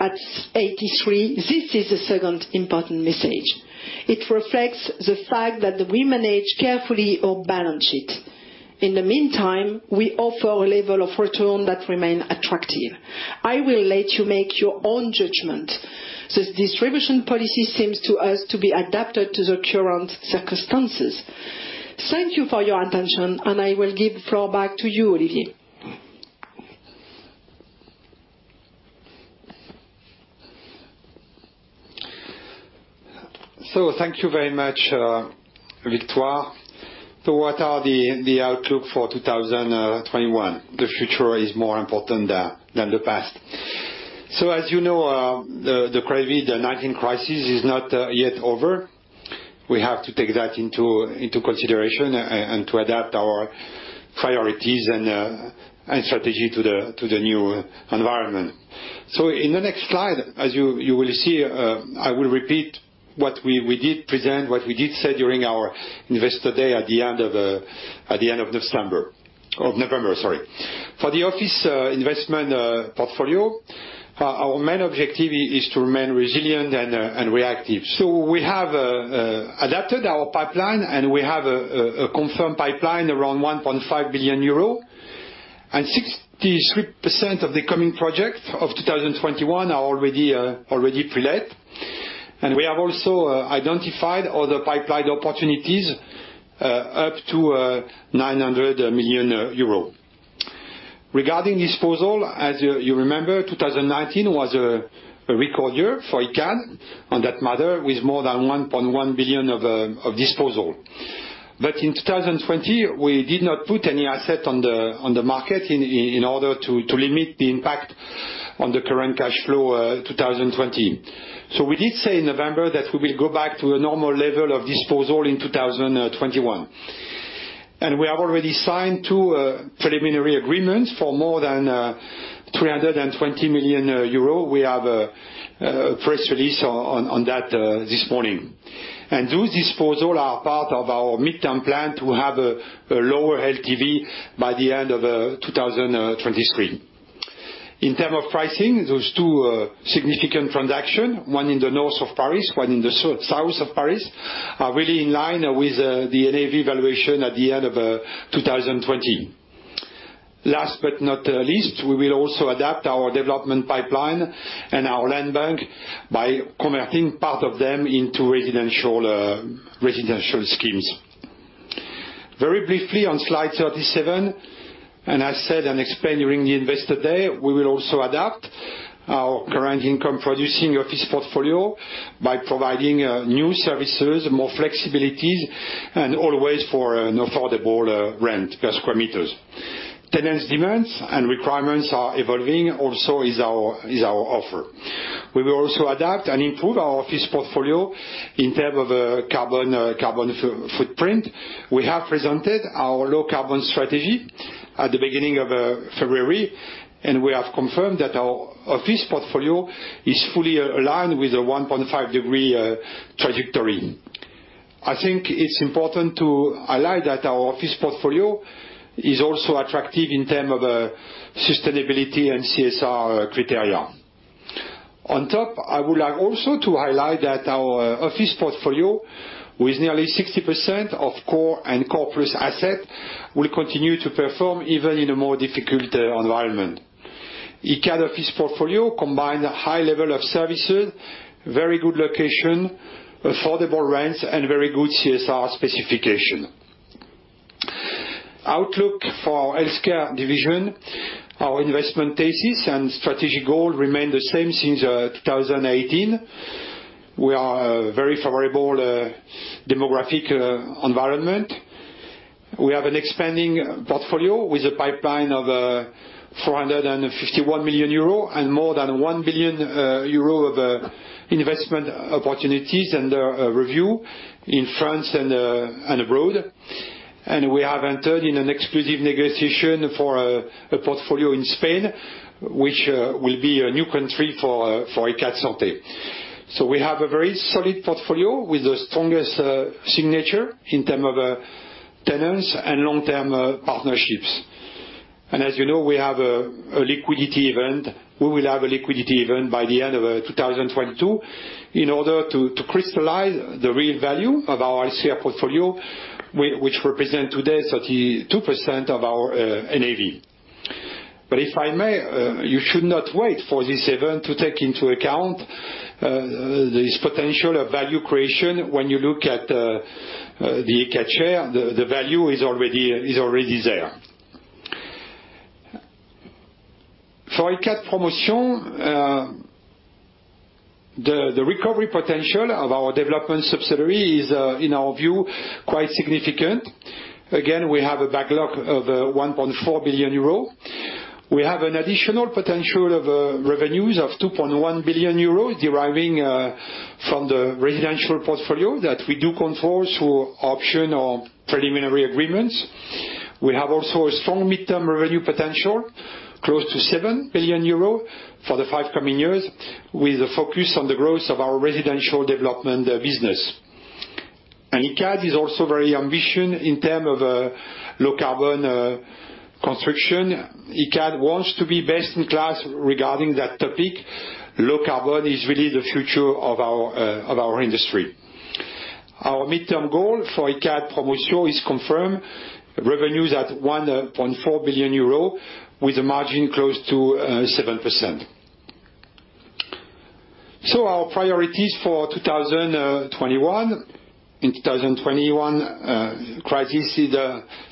at 83, this is the second important message. It reflects the fact that we manage carefully our balance sheet. In the meantime, we offer a level of return that remains attractive. I will let you make your own judgment. The distribution policy seems to us to be adapted to the current circumstances. Thank you for your attention, and I will give the floor back to you, Olivier. Thank you very much, Victoire. What are the outlook for 2021? The future is more important than the past. As you know, the COVID-19 crisis is not yet over. We have to take that into consideration and to adapt our priorities and strategy to the new environment. In the next slide, as you will see, I will repeat what we did present, what we did say during our Investor Day at the end of November. For the office investment portfolio, our main objective is to remain resilient and reactive. We have adapted our pipeline, and we have a confirmed pipeline around 1.5 billion euro. 63% of the coming projects of 2021 are already pre-let. We have also identified other pipeline opportunities up to 900 million euro. Regarding disposal, as you remember, 2019 was a record year for Icade on that matter, with more than 1.1 billion of disposal. In 2020, we did not put any asset on the market in order to limit the impact on the current cash flow 2020. We did say in November that we will go back to a normal level of disposal in 2021. We have already signed two preliminary agreements for more than 320 million euro. We have a press release on that this morning. Those disposals are part of our midterm plan to have a lower LTV by the end of 2023. In terms of pricing, those two significant transactions, one in the north of Paris, one in the south of Paris, are really in line with the NAV valuation at the end of 2020. Last but not least, we will also adapt our development pipeline and our land bank by converting part of them into residential schemes. Very briefly, on slide 37, I said and explained during the Investor Day, we will also adapt our current income-producing office portfolio by providing new services, more flexibility, and always for an affordable rent per square meters. Tenants' demands and requirements are evolving, also is our offer. We will also adapt and improve our office portfolio in term of carbon footprint. We have presented our low carbon strategy at the beginning of February, and we have confirmed that our office portfolio is fully aligned with a 1.5 degree trajectory. I think it's important to highlight that our office portfolio is also attractive in term of sustainability and CSR criteria. On top, I would like also to highlight that our office portfolio, with nearly 60% of core and core plus asset, will continue to perform even in a more difficult environment. Icade office portfolio combine a high level of services, very good location, affordable rents, and very good CSR specification. Outlook for Healthcare division. Our investment thesis and strategic goal remain the same since 2018. We are a very favorable demographic environment. We have an expanding portfolio with a pipeline of 451 million euro and more than 1 billion euro of investment opportunities under review in France and abroad. We have entered in an exclusive negotiation for a portfolio in Spain, which will be a new country for Icade Santé. We have a very solid portfolio with the strongest signature in term of tenants and long-term partnerships. As you know, we will have a liquidity event by the end of 2022 in order to crystallize the real value of our Icade portfolio, which represent today 32% of our NAV. If I may, you should not wait for this event to take into account this potential of value creation when you look at the Icade share, the value is already there. For Icade Promotion, the recovery potential of our development subsidiary is, in our view, quite significant. Again, we have a backlog of 1.4 billion euro. We have an additional potential of revenues of 2.1 billion euros deriving from the residential portfolio that we do control through option or preliminary agreements. We have also a strong mid-term revenue potential, close to 7 billion euros for the five coming years, with a focus on the growth of our residential development business. Icade is also very ambition in term of low carbon construction. Icade wants to be best in class regarding that topic. Low carbon is really the future of our industry. Our midterm goal for Icade Promotion is confirm revenues at 1.4 billion euro with a margin close to 7%. Our priorities for 2021. In 2021, crisis is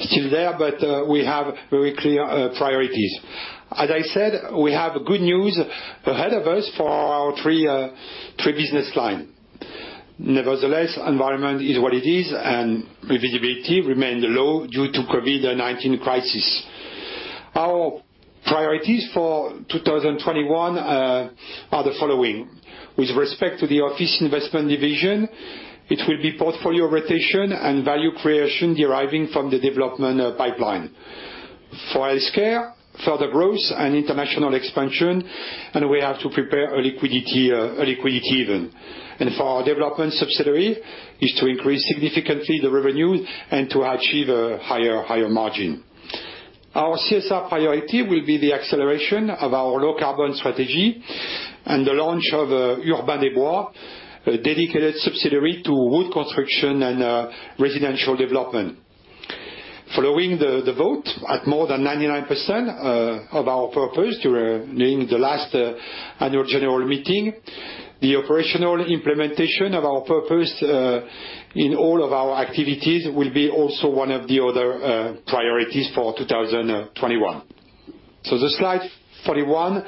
still there, but we have very clear priorities. As I said, we have good news ahead of us for our three business line. Nevertheless, environment is what it is, and visibility remain low due to COVID-19 crisis. Our priorities for 2021 are the following. With respect to the office investment division, it will be portfolio rotation and value creation deriving from the development pipeline. For Healthcare, further growth and international expansion, and we have to prepare a liquidity event. For our development subsidiary, is to increase significantly the revenue and to achieve a higher margin. Our CSR priority will be the acceleration of our low carbon strategy and the launch of Urbain des Bois, a dedicated subsidiary to wood construction and residential development. Following the vote at more than 99% of our purpose during the last annual general meeting, the operational implementation of our purpose, in all of our activities will be also one of the other priorities for 2021. The slide 41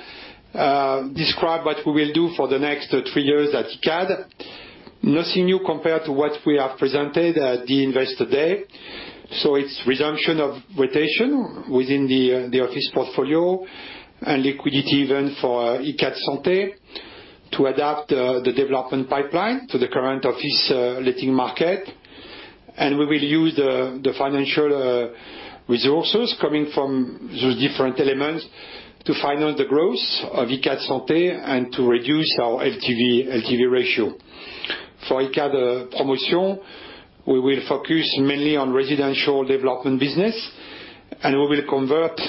describe what we will do for the next three years at Icade. Nothing new compared to what we have presented at the Investor Day. It's resumption of rotation within the office portfolio and liquidity event for Icade Santé to adapt the development pipeline to the current office letting market. We will use the financial resources coming from those different elements to finance the growth of Icade Santé and to reduce our LTV ratio. For Icade Promotion, we will focus mainly on residential development business. We will convert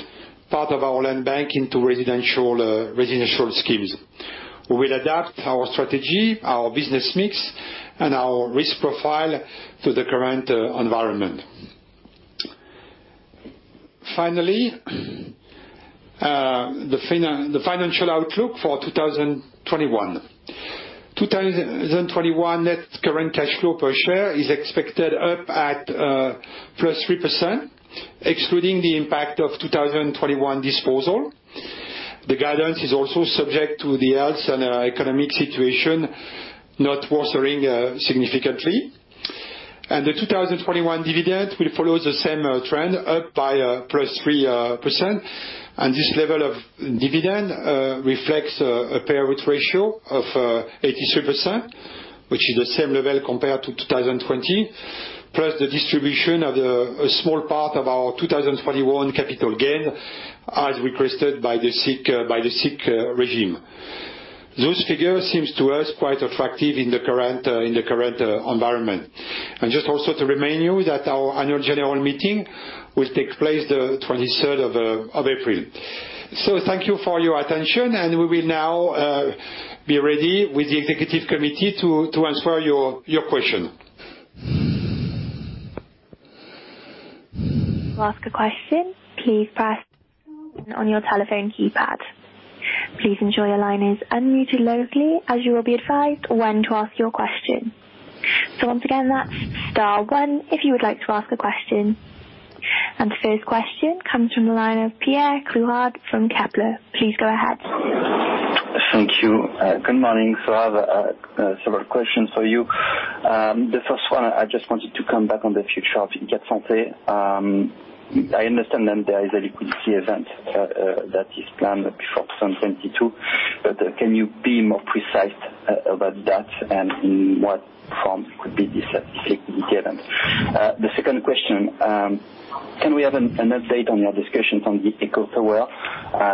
part of our land bank into residential schemes. We will adapt our strategy, our business mix, and our risk profile to the current environment. Finally, the financial outlook for 2021. 2021 net current cash flow per share is expected up at +3%, excluding the impact of 2021 disposal. The guidance is also subject to the health and economic situation not worsening significantly. The 2021 dividend will follow the same trend, up by +3%. This level of dividend reflects a payout ratio of 83%, which is the same level compared to 2020, plus the distribution of a small part of our 2021 capital gain, as requested by the SIIC regime. Those figures seems to us quite attractive in the current environment. Just also to remind you that our annual general meeting will take place the 23rd of April. Thank you for your attention, and we will now be ready with the executive committee to answer your question. To ask a question, please press on your telephone keypad. Please ensure your line is unmuted locally, as you will be advised when to ask your question. Once again, that's star one if you would like to ask a question. The first question comes from the line of Pierre Clouard from Kepler. Please go ahead. Thank you. Good morning. I have several questions for you. The first one, I just wanted to come back on the future of Icade Santé. I understand that there is a liquidity event that is planned before 2022, but can you be more precise about that and in what form could be this liquidity event? The second question, can we have an update on your discussions on the Eqho Tower?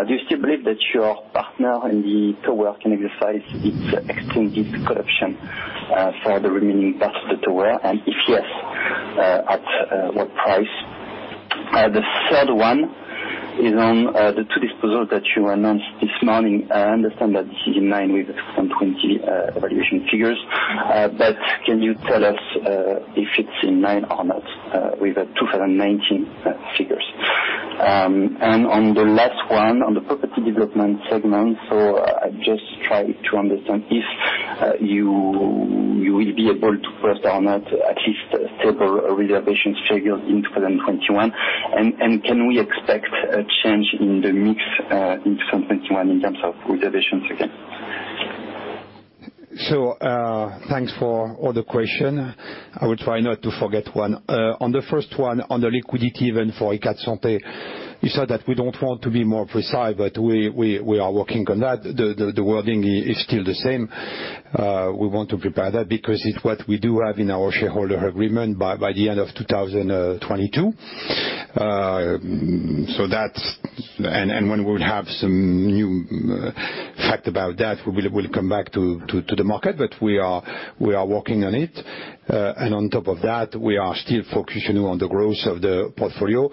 Do you still believe that your partner in the tower can exercise its extended collection for the remaining part of the tower, and if yes, at what price? The third one is on the two disposals that you announced this morning. I understand that this is in line with the 2020 evaluation figures. Can you tell us if it's in line or not with the 2019 figures? On the last one, on the property development segment, I just try to understand if you will be able to post or not at least stable reservations figures in 2021. Can we expect a change in the mix in 2021 in terms of reservations again? Thanks for all the question. I will try not to forget one. On the first one, on the liquidity event for Icade Santé, you said that we don't want to be more precise, but we are working on that. The wording is still the same. We want to prepare that because it's what we do have in our shareholder agreement by the end of 2022. When we will have some new fact about that, we will come back to the market. We are working on it. On top of that, we are still focusing on the growth of the portfolio.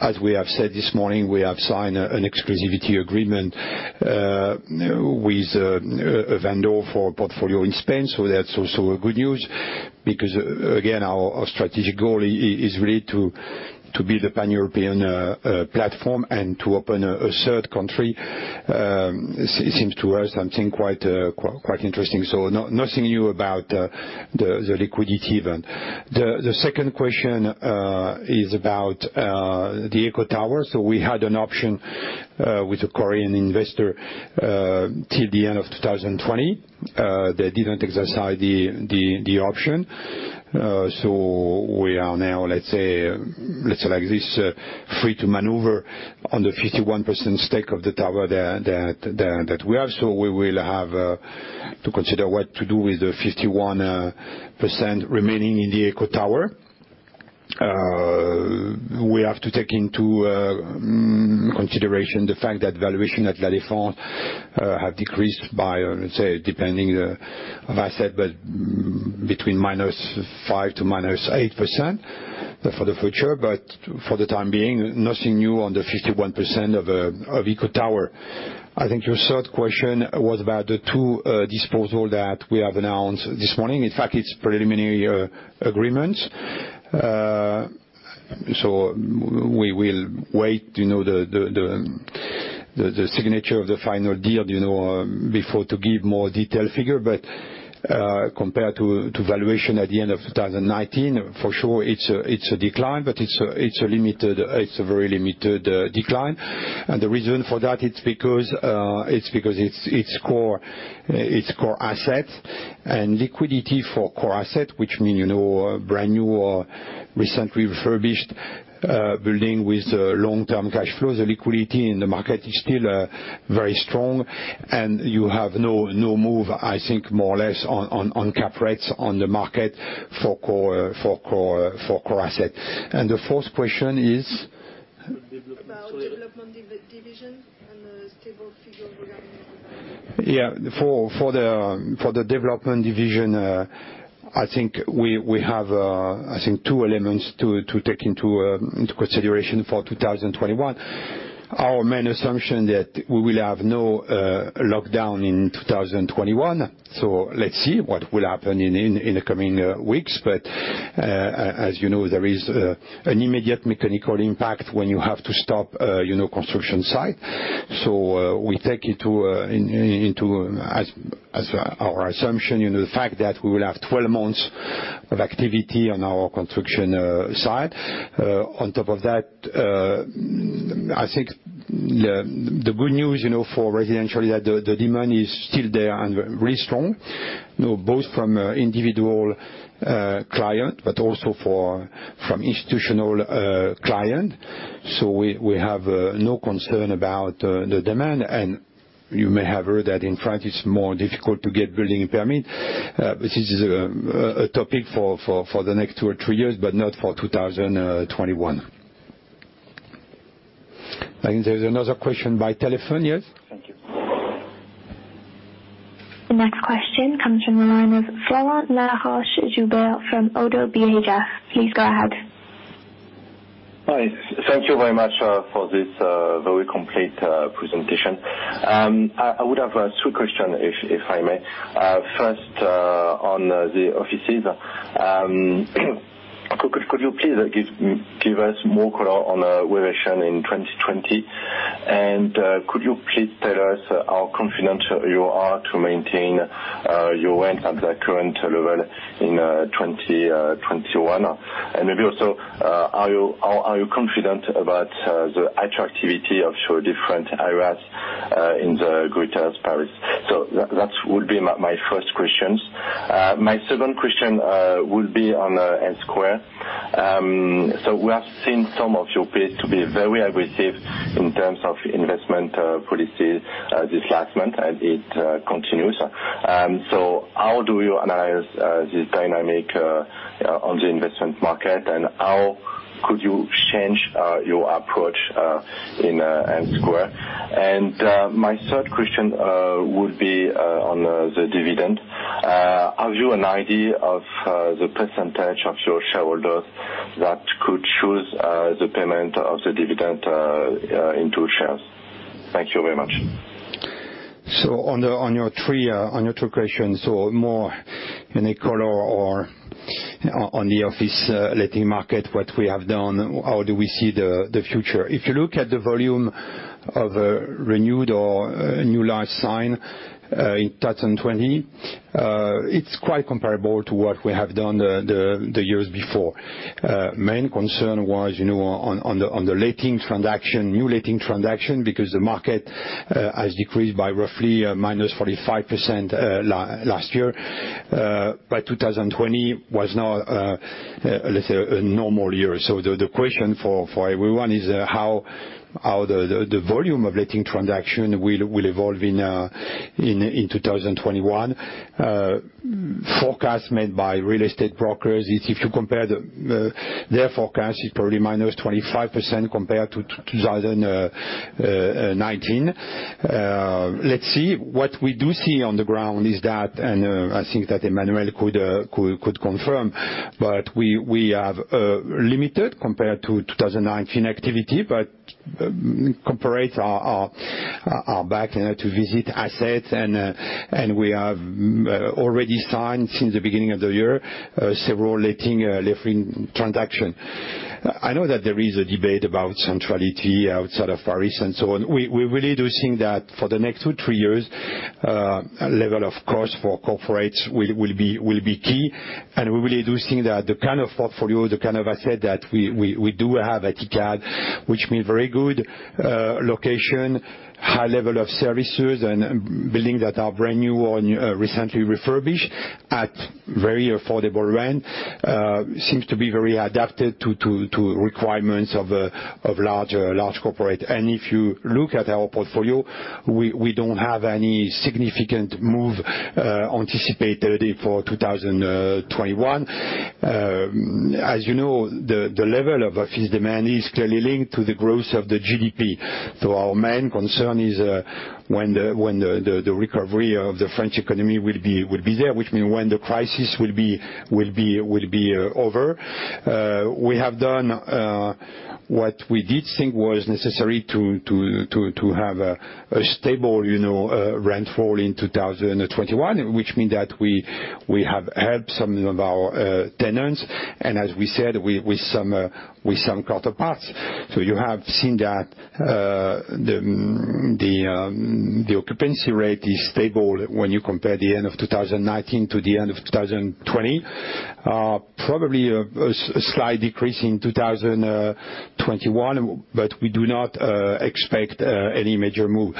As we have said this morning, we have signed an exclusivity agreement with a vendor for a portfolio in Spain. That's also a good news because again, our strategic goal is really to build a pan-European platform and to open a third country. Seems to us something quite interesting. Nothing new about the liquidity event. The second question is about the Eqho Tower. We had an option with a Korean investor till the end of 2020. They didn't exercise the option. We are now, let's say like this, free to maneuver on the 51% stake of the tower that we have. We will have to consider what to do with the 51% remaining in the Eqho Tower. We have to take into consideration the fact that valuation at La Défense have decreased by, let's say, depending the asset, but between -5% to -8% for the future, but for the time being, nothing new on the 51% of Eqho Tower. I think your third question was about the two disposal that we have announced this morning. In fact, it's preliminary agreements. We will wait the signature of the final deal before to give more detailed figure. Compared to valuation at the end of 2019, for sure it's a decline, but it's a very limited decline. The reason for that it's because it's core asset. Liquidity for core asset, which mean a brand-new or recently refurbished building with long-term cash flows, the liquidity in the market is still very strong. You have no move, I think more or less, on cap rates on the market for core asset. The fourth question is? About development division and the stable figure regarding- Yeah, for the development division, I think we have two elements to take into consideration for 2021. Our main assumption that we will have no lockdown in 2021. Let's see what will happen in the coming weeks. As you know, there is an immediate mechanical impact when you have to stop construction site. We take into as our assumption, the fact that we will have 12 months of activity on our construction site. On top of that, I think the good news, for residential, the demand is still there and very strong, both from individual client, but also from institutional client. We have no concern about the demand. You may have heard that in France, it's more difficult to get building permit. This is a topic for the next two or three years, but not for 2021. I think there's another question by telephone. Yes? Thank you. The next question comes from the line of Florent Laroche-Joubert from Oddo BHF. Please go ahead. Hi. Thank you very much for this very complete presentation. I would have two questions, if I may. First, on the offices, could you please give us more color on regression in 2020? Could you please tell us how confident you are to maintain your rent at the current level in 2021? Maybe also, are you confident about the attractivity of your different areas in the Greater Paris? That would be my first questions. My second question would be on N Square. We have seen some of your peers to be very aggressive in terms of investment policies this last month, and it continues. How do you analyze this dynamic on the investment market, and how could you change your approach in N Square? My third question would be on the dividend. Have you an idea of the % of your shareholders that could choose the payment of the dividend into shares? Thank you very much. On your two questions, more color on the office letting market, what we have done, how do we see the future. If you look at the volume of renewed or new life signed in 2020, it's quite comparable to what we have done the years before. Main concern was on the letting transaction, new letting transaction, because the market has decreased by roughly -45% last year. By 2020 was now, let's say, a normal year. The question for everyone is how the volume of letting transaction will evolve in 2021. Forecast made by real estate brokers, if you compare their forecast, is probably -25% compared to 2019. Let's see. What we do see on the ground is that, I think that Emmanuel could confirm, but we have limited, compared to 2019, activity, but corporates are back to visit assets, we have already signed, since the beginning of the year, several letting transaction. I know that there is a debate about centrality outside of Paris and so on. We really do think that for the next two, three years, level of cost for corporates will be key. We really do think that the kind of portfolio, the kind of asset that we do have at Icade, which means very good location, high level of services, and buildings that are brand new or recently refurbished at very affordable rent, seems to be very adapted to requirements of large corporate. If you look at our portfolio, we don't have any significant move anticipated for 2021. The level of office demand is clearly linked to the growth of the GDP. Our main concern is when the recovery of the French economy will be there, which means when the crisis will be over. We have done what we thought was necessary to have a stable rent fall in 2021, which means that we have helped some of our tenants, and as we said, with some counterparts. You have seen that the occupancy rate is stable when you compare the end of 2019 to the end of 2020. Probably a slight decrease in 2021, but we do not expect any major move.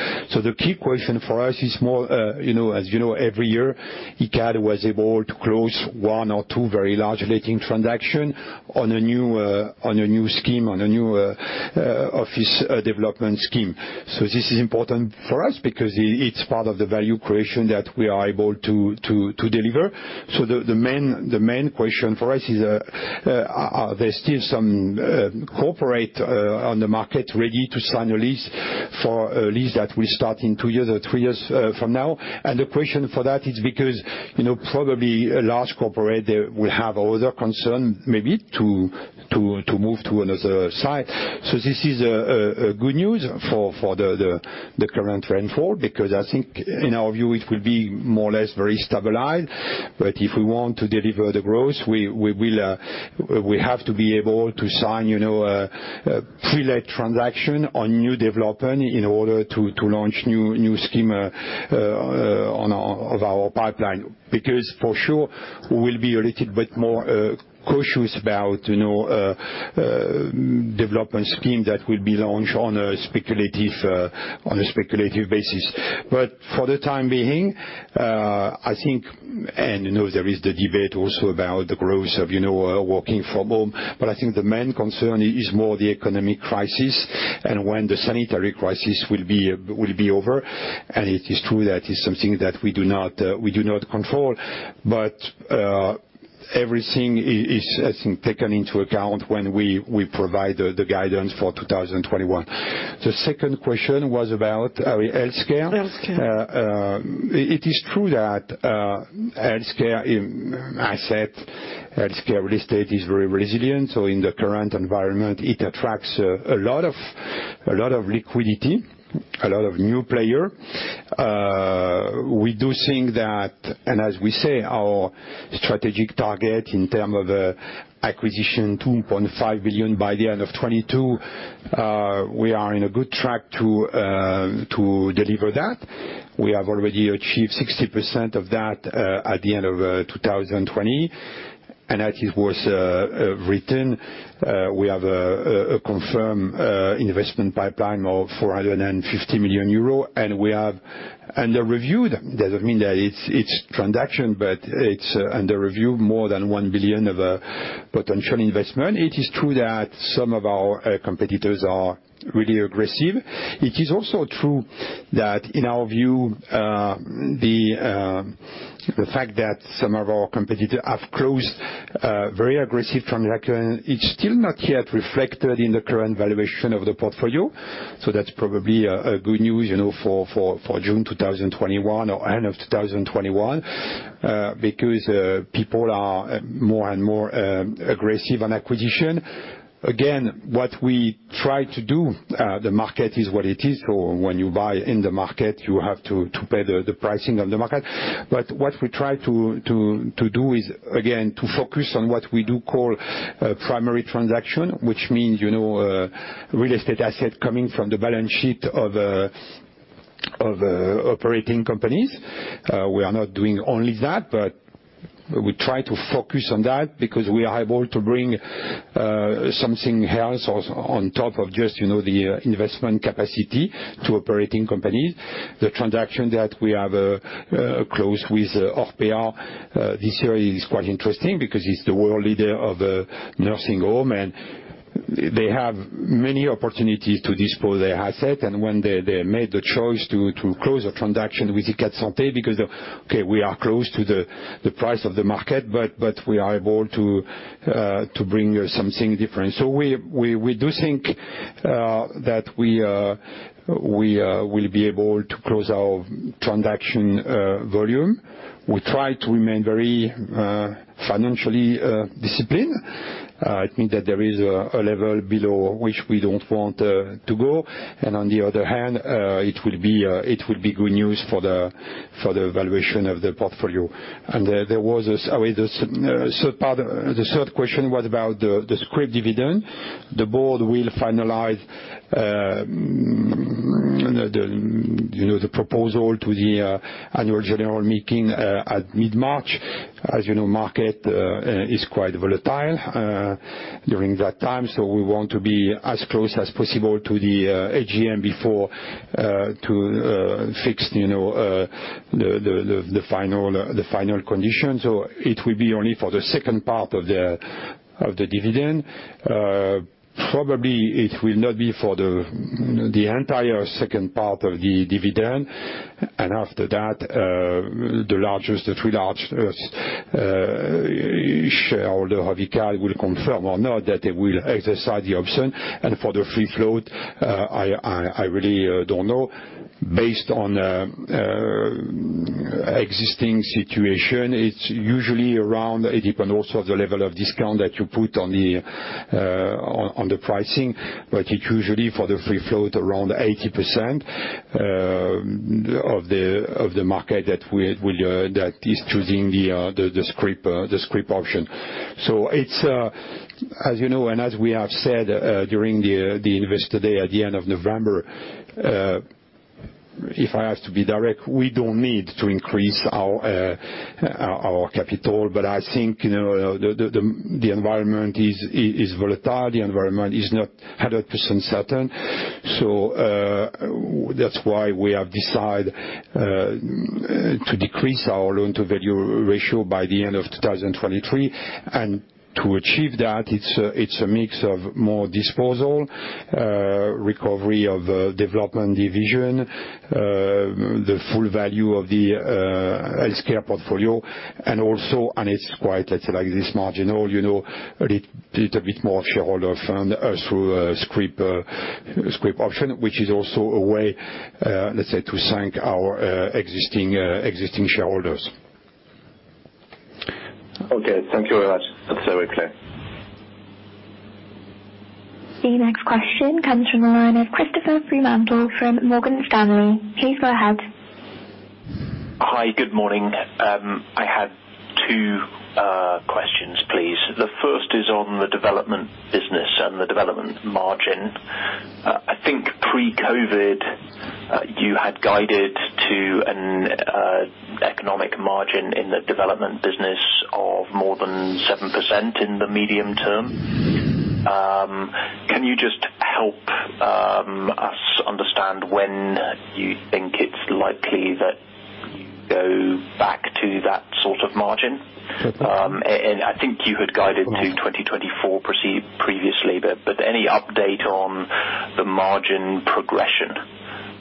The key question for us is more, every year, Icade was able to close one or two very large letting transaction on a new scheme, on a new office development scheme. This is important for us because it's part of the value creation that we are able to deliver. The main question for us is, are there still some corporate on the market ready to sign a lease, for a lease that will start in two years or three years from now? The question for that is because, probably a large corporate will have other concern maybe to move to another site. This is a good news for the current trend for, because I think in our view, it will be more or less very stabilized. If we want to deliver the growth, we have to be able to sign a pre-let transaction on new development in order to launch new scheme of our pipeline. For sure, we will be a little bit more cautious about development scheme that will be launched on a speculative basis. For the time being, I think, and there is the debate also about the growth of working from home, but I think the main concern is more the economic crisis and when the sanitary crisis will be over. It is true, that is something that we do not control. everything is taken into account when we provide the guidance for 2021. The second question was about our Healthcare. Healthcare. It is true that asset Healthcare real estate is very resilient. In the current environment, it attracts a lot of liquidity, a lot of new players. We do think that, and as we say, our strategic target in terms of acquisition, 2.5 billion by the end of 2022, we are in a good track to deliver that. We have already achieved 60% of that at the end of 2020, and as it was written, we have a confirmed investment pipeline of 450 million euro and we have under review, that doesn't mean that it's transaction, but it's under review, more than 1 billion of potential investment. It is true that some of our competitors are really aggressive. It is also true that in our view, the fact that some of our competitors have closed very aggressive transaction, it's still not yet reflected in the current valuation of the portfolio. That's probably a good news for June 2021 or end of 2021, because people are more and more aggressive on acquisition. Again, what we try to do, the market is what it is. When you buy in the market, you have to pay the pricing on the market. What we try to do is, again, to focus on what we do call primary transaction, which means real estate asset coming from the balance sheet of operating companies. We are not doing only that, but we try to focus on that because we are able to bring something else on top of just the investment capacity to operating companies. The transaction that we have closed with Orpea this year is quite interesting because it's the world leader of nursing home, and they have many opportunities to dispose their asset, and when they made the choice to close a transaction with Icade Santé because, okay, we are close to the price of the market, but we are able to bring something different. We do think that we will be able to close our transaction volume. We try to remain very financially disciplined. It means that there is a level below which we don't want to go. On the other hand, it will be good news for the valuation of the portfolio. The third question was about the scrip dividend. The board will finalize the proposal to the annual general meeting at mid-March. As you know, market is quite volatile during that time, we want to be as close as possible to the AGM before to fix the final conditions. It will be only for the second part of the dividend. Probably it will not be for the entire second part of the dividend. After that, the three largest shareholder of Icade will confirm or not that they will exercise the option. For the free float, I really don't know. Based on existing situation, it's usually around it depends also the level of discount that you put on the pricing, but it's usually, for the free float, around 80% of the market that is choosing the scrip option. As you know, and as we have said during the Investor Day at the end of November, if I have to be direct, we don't need to increase our capital. I think, the environment is volatile. The environment is not 100% certain. That's why we have decide to decrease our loan to value ratio by the end of 2023. To achieve that, it's a mix of more disposal, recovery of development division, the full value of the Healthcare portfolio, and also, and it's quite, let's say, like this marginal, a little bit more shareholder fund through scrip option, which is also a way, let's say, to thank our existing shareholders. Okay. Thank you very much. That's very clear. The next question comes from the line of Christopher Fremantle from Morgan Stanley. Please go ahead. Hi. Good morning. I had two questions, please. The first is on the development business and the development margin. I think pre-COVID, you had guided to an economic margin in the development business of more than 7% in the medium term. Can you just help us understand when you think it's likely that you go back to that sort of margin? I think you had guided to 2024 previously, but any update on the margin progression?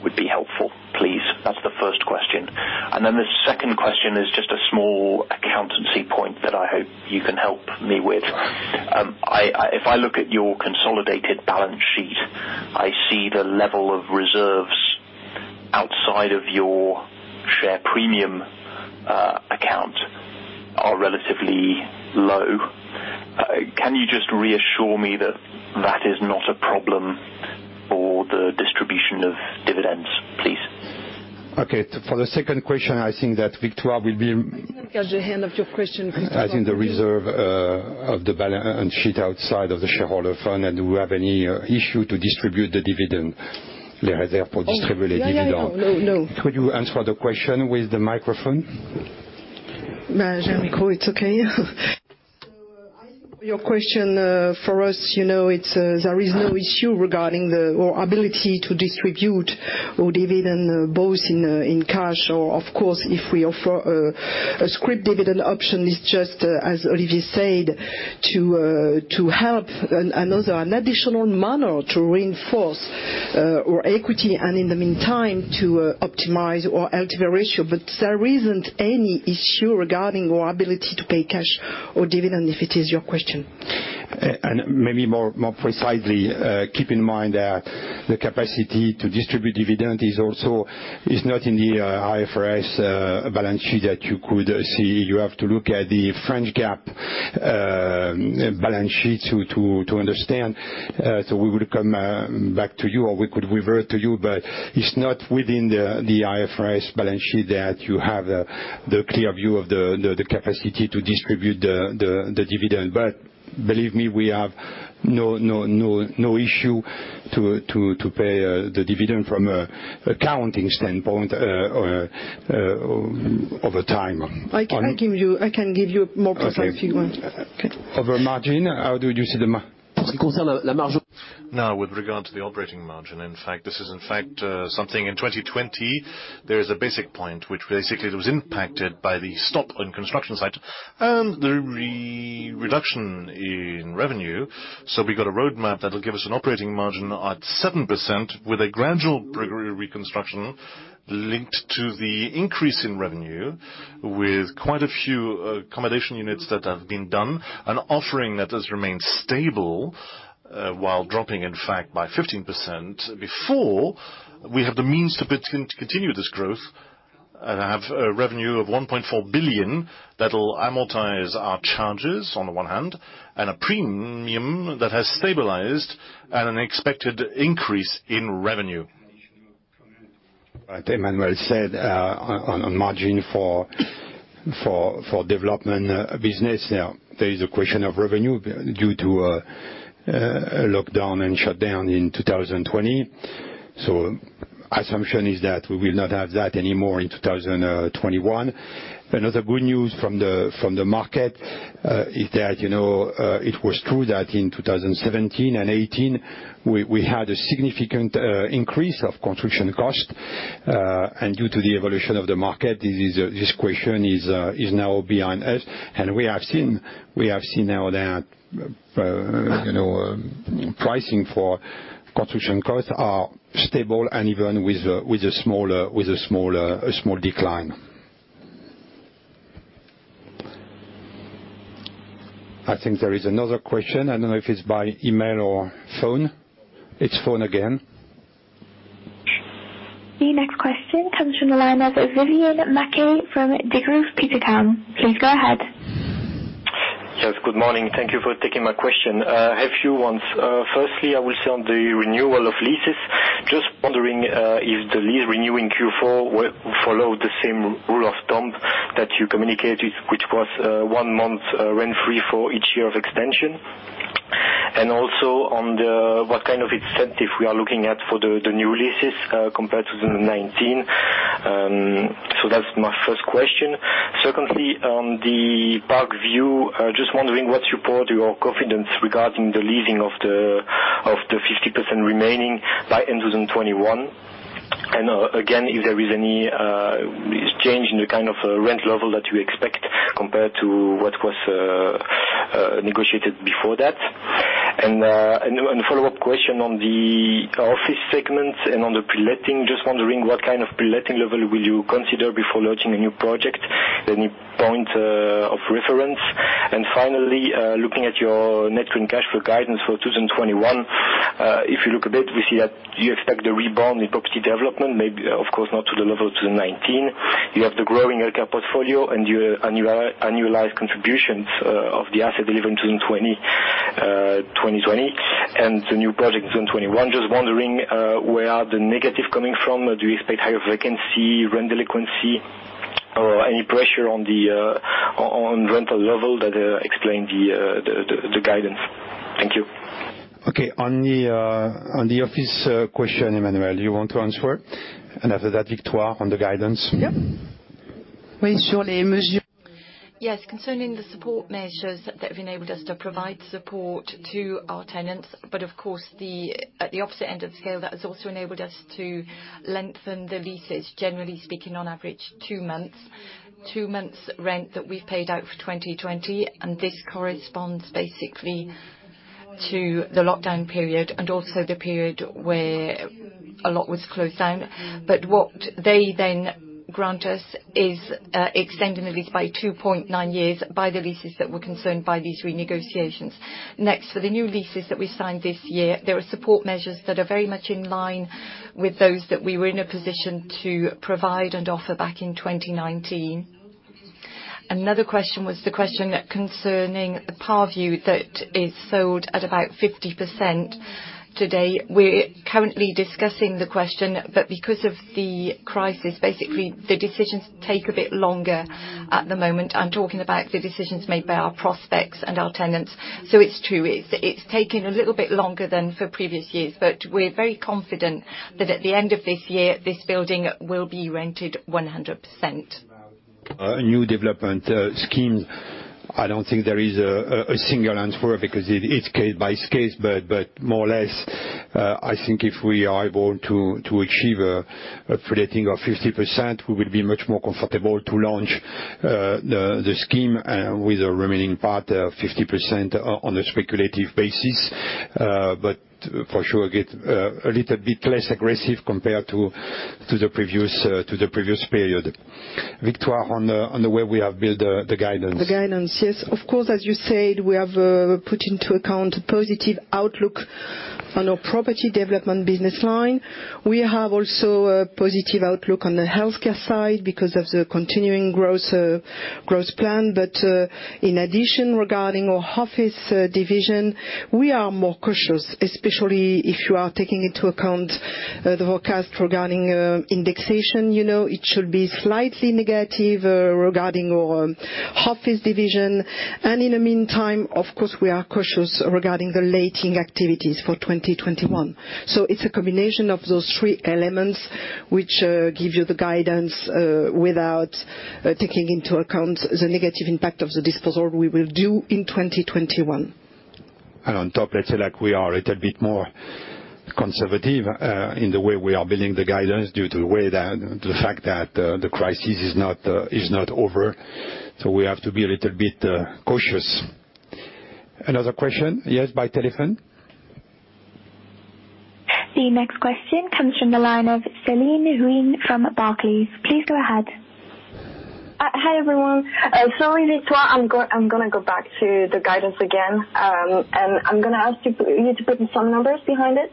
Would be helpful, please. That's the first question. The second question is just a small accountancy point that I hope you can help me with. If I look at your consolidated balance sheet, I see the level of reserves outside of your share premium account are relatively low. Can you just reassure me that that is not a problem for the distribution of dividends, please? Okay. For the second question, I think that Victoire will be- I didn't catch the end of your question. As in the reserve of the balance sheet outside of the shareholder fund, do we have any issue to distribute the dividend? No. Could you answer the question with the microphone? Jean-Michel, it's okay. I think your question for us, there is no issue regarding our ability to distribute our dividend, both in cash, or of course, if we offer a scrip dividend option, it's just as Olivier said, to help another additional manner to reinforce our equity, and in the meantime, to optimize our LTV ratio. There isn't any issue regarding our ability to pay cash or dividend, if it is your question. Maybe more precisely, keep in mind that the capacity to distribute dividend is not in the IFRS balance sheet that you could see. You have to look at the French GAAP balance sheet to understand. We will come back to you, or we could revert to you, but it's not within the IFRS balance sheet that you have the clear view of the capacity to distribute the dividend. Believe me, we have no issue to pay the dividend from an accounting standpoint over time. I can give you more precisely, if you want. Okay. Over margin, how do you see the margin? With regard to the operating margin, in fact, this is something in 2020, there is a basic point, which basically was impacted by the stop on construction site and the reduction in revenue. We've got a roadmap that'll give us an operating margin at 7% with a gradual progressive reconstruction linked to the increase in revenue with quite a few accommodation units that have been done. An offering that has remained stable, while dropping in fact by 15%. Before, we have the means to continue this growth and have a revenue of 1.4 billion that'll amortize our charges on the one hand, and a premium that has stabilized at an expected increase in revenue. Like Emmanuel said, on margin for development business, there is a question of revenue due to a lockdown and shutdown in 2020. Assumption is that we will not have that anymore in 2021. Another good news from the market is that, it was true that in 2017 and 2018, we had a significant increase of construction cost. Due to the evolution of the market, this question is now behind us. We have seen now that pricing for construction costs are stable and even with a small decline. I think there is another question. I don't know if it's by email or phone. It's phone again. The next question comes from the line of Vivian Mackay from Degroof Petercam. Please go ahead. Yes, good morning. Thank you for taking my question. I have a few ones. Firstly, I will say on the renewal of leases, just wondering if the lease renew in Q4 will follow the same rule of thumb that you communicated, which was one month rent-free for each year of extension. Also, on what kind of incentive we are looking at for the new leases compared to 2019. That's my first question. Secondly, on the Pulse, just wondering what support your confidence regarding the leasing of the 50% remaining by end 2021. Again, if there is any change in the kind of rent level that you expect compared to what was negotiated before that. A follow-up question on the office segment and on the pre-letting. Just wondering what kind of pre-letting level will you consider before launching a new project? Any point of reference? Finally, looking at your net current cash flow guidance for 2021. If you look a bit, we see that you expect the rebound in property development, maybe of course not to the level of 2019. You have the growing Icade portfolio and your annualized contributions of the asset delivered in 2020. The new projects in 2021. Just wondering, where are the negative coming from? Do you expect higher vacancy, rent delinquency, or any pressure on rental level that explain the guidance? Thank you. Okay. On the office question, Emmanuel, you want to answer it? After that, Victoire, on the guidance. Yes, concerning the support measures that have enabled us to provide support to our tenants. Of course, at the opposite end of the scale, that has also enabled us to lengthen the leases, generally speaking, on average two months. Two months rent that we've paid out for 2020, and this corresponds basically to the lockdown period and also the period where a lot was closed down. What they then grant us is extending the lease by 2.9 years by the leases that were concerned by these renegotiations. For the new leases that we signed this year, there are support measures that are very much in line with those that we were in a position to provide and offer back in 2019. Another question was the question concerning the Parview that is sold at about 50% today. We're currently discussing the question. Because of the crisis, basically, the decisions take a bit longer at the moment. I'm talking about the decisions made by our prospects and our tenants. It's true, it's taking a little bit longer than for previous years. We're very confident that at the end of this year, this building will be rented 100%. New development schemes, I don't think there is a single answer for it, because it's case by case. More or less, I think if we are able to achieve a pre-letting of 50%, we will be much more comfortable to launch the scheme with the remaining part of 50% on a speculative basis. For sure, get a little bit less aggressive compared to the previous period. Victoire, on the way we have built the guidance. The guidance, yes. Of course, as you said, we have put into account a positive outlook on our property development business line. We have also a positive outlook on the Healthcare side because of the continuing growth plan. In addition, regarding our office division, we are more cautious, especially if you are taking into account the forecast regarding indexation. It should be slightly negative regarding our office division. In the meantime, of course, we are cautious regarding the letting activities for 2021. It's a combination of those three elements, which give you the guidance, without taking into account the negative impact of the disposal we will do in 2021. On top, let's say, we are a little bit more conservative in the way we are building the guidance due to the fact that the crisis is not over. We have to be a little bit cautious. Another question? Yes, by telephone. The next question comes from the line of Céline Soo-Huynh from Barclays. Please go ahead. Hi, everyone. Sorry, Victoire, I'm going to go back to the guidance again. I'm going to ask you to put some numbers behind it.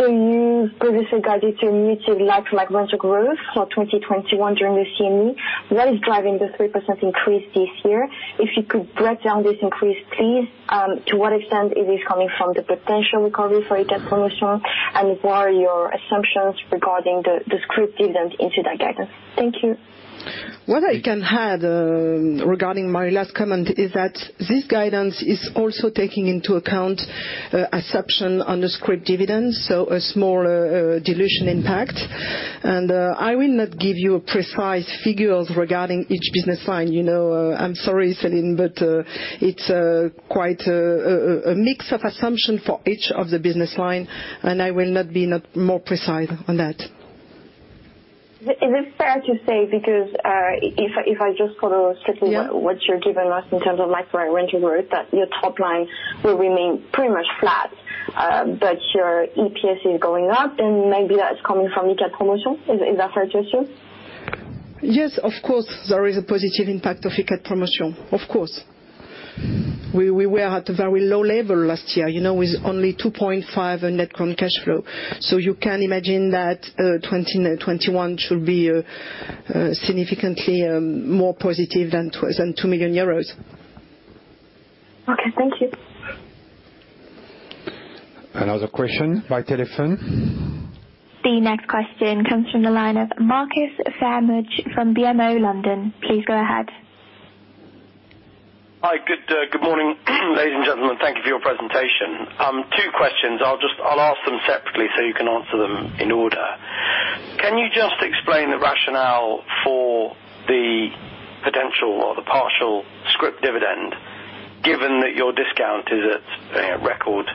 You previously guided to muted like-for-like rental growth for 2021 during this CMD. What is driving the 3% increase this year? If you could break down this increase, please. To what extent is this coming from the potential recovery for Icade Promotion, and what are your assumptions regarding the scrip dividend into that guidance? Thank you. What I can add, regarding my last comment, is that this guidance is also taking into account assumption on the scrip dividend, so a small dilution impact. I will not give you a precise figure regarding each business line. I'm sorry, Céline, it's quite a mix of assumption for each of the business line, I will not be more precise on that. Is it fair to say because, if I just sort of- Yeah what you're giving us in terms of like for like rental growth, that your top line will remain pretty much flat, your EPS is going up, maybe that's coming from Icade Promotion. Is that fair to assume? Yes, of course, there is a positive impact of Icade Promotion. Of course. We were at a very low level last year, with only 2.5 in net cash flow. You can imagine that 2021 should be significantly more positive than 2 million euros. Okay, thank you. Another question by telephone. The next question comes from the line of Marcus Famage from BMO London. Please go ahead. Hi. Good morning, ladies and gentlemen. Thank you for your presentation. Two questions. I'll ask them separately so you can answer them in order. Can you just explain the rationale for the potential or the partial scrip dividend, given that your discount is at record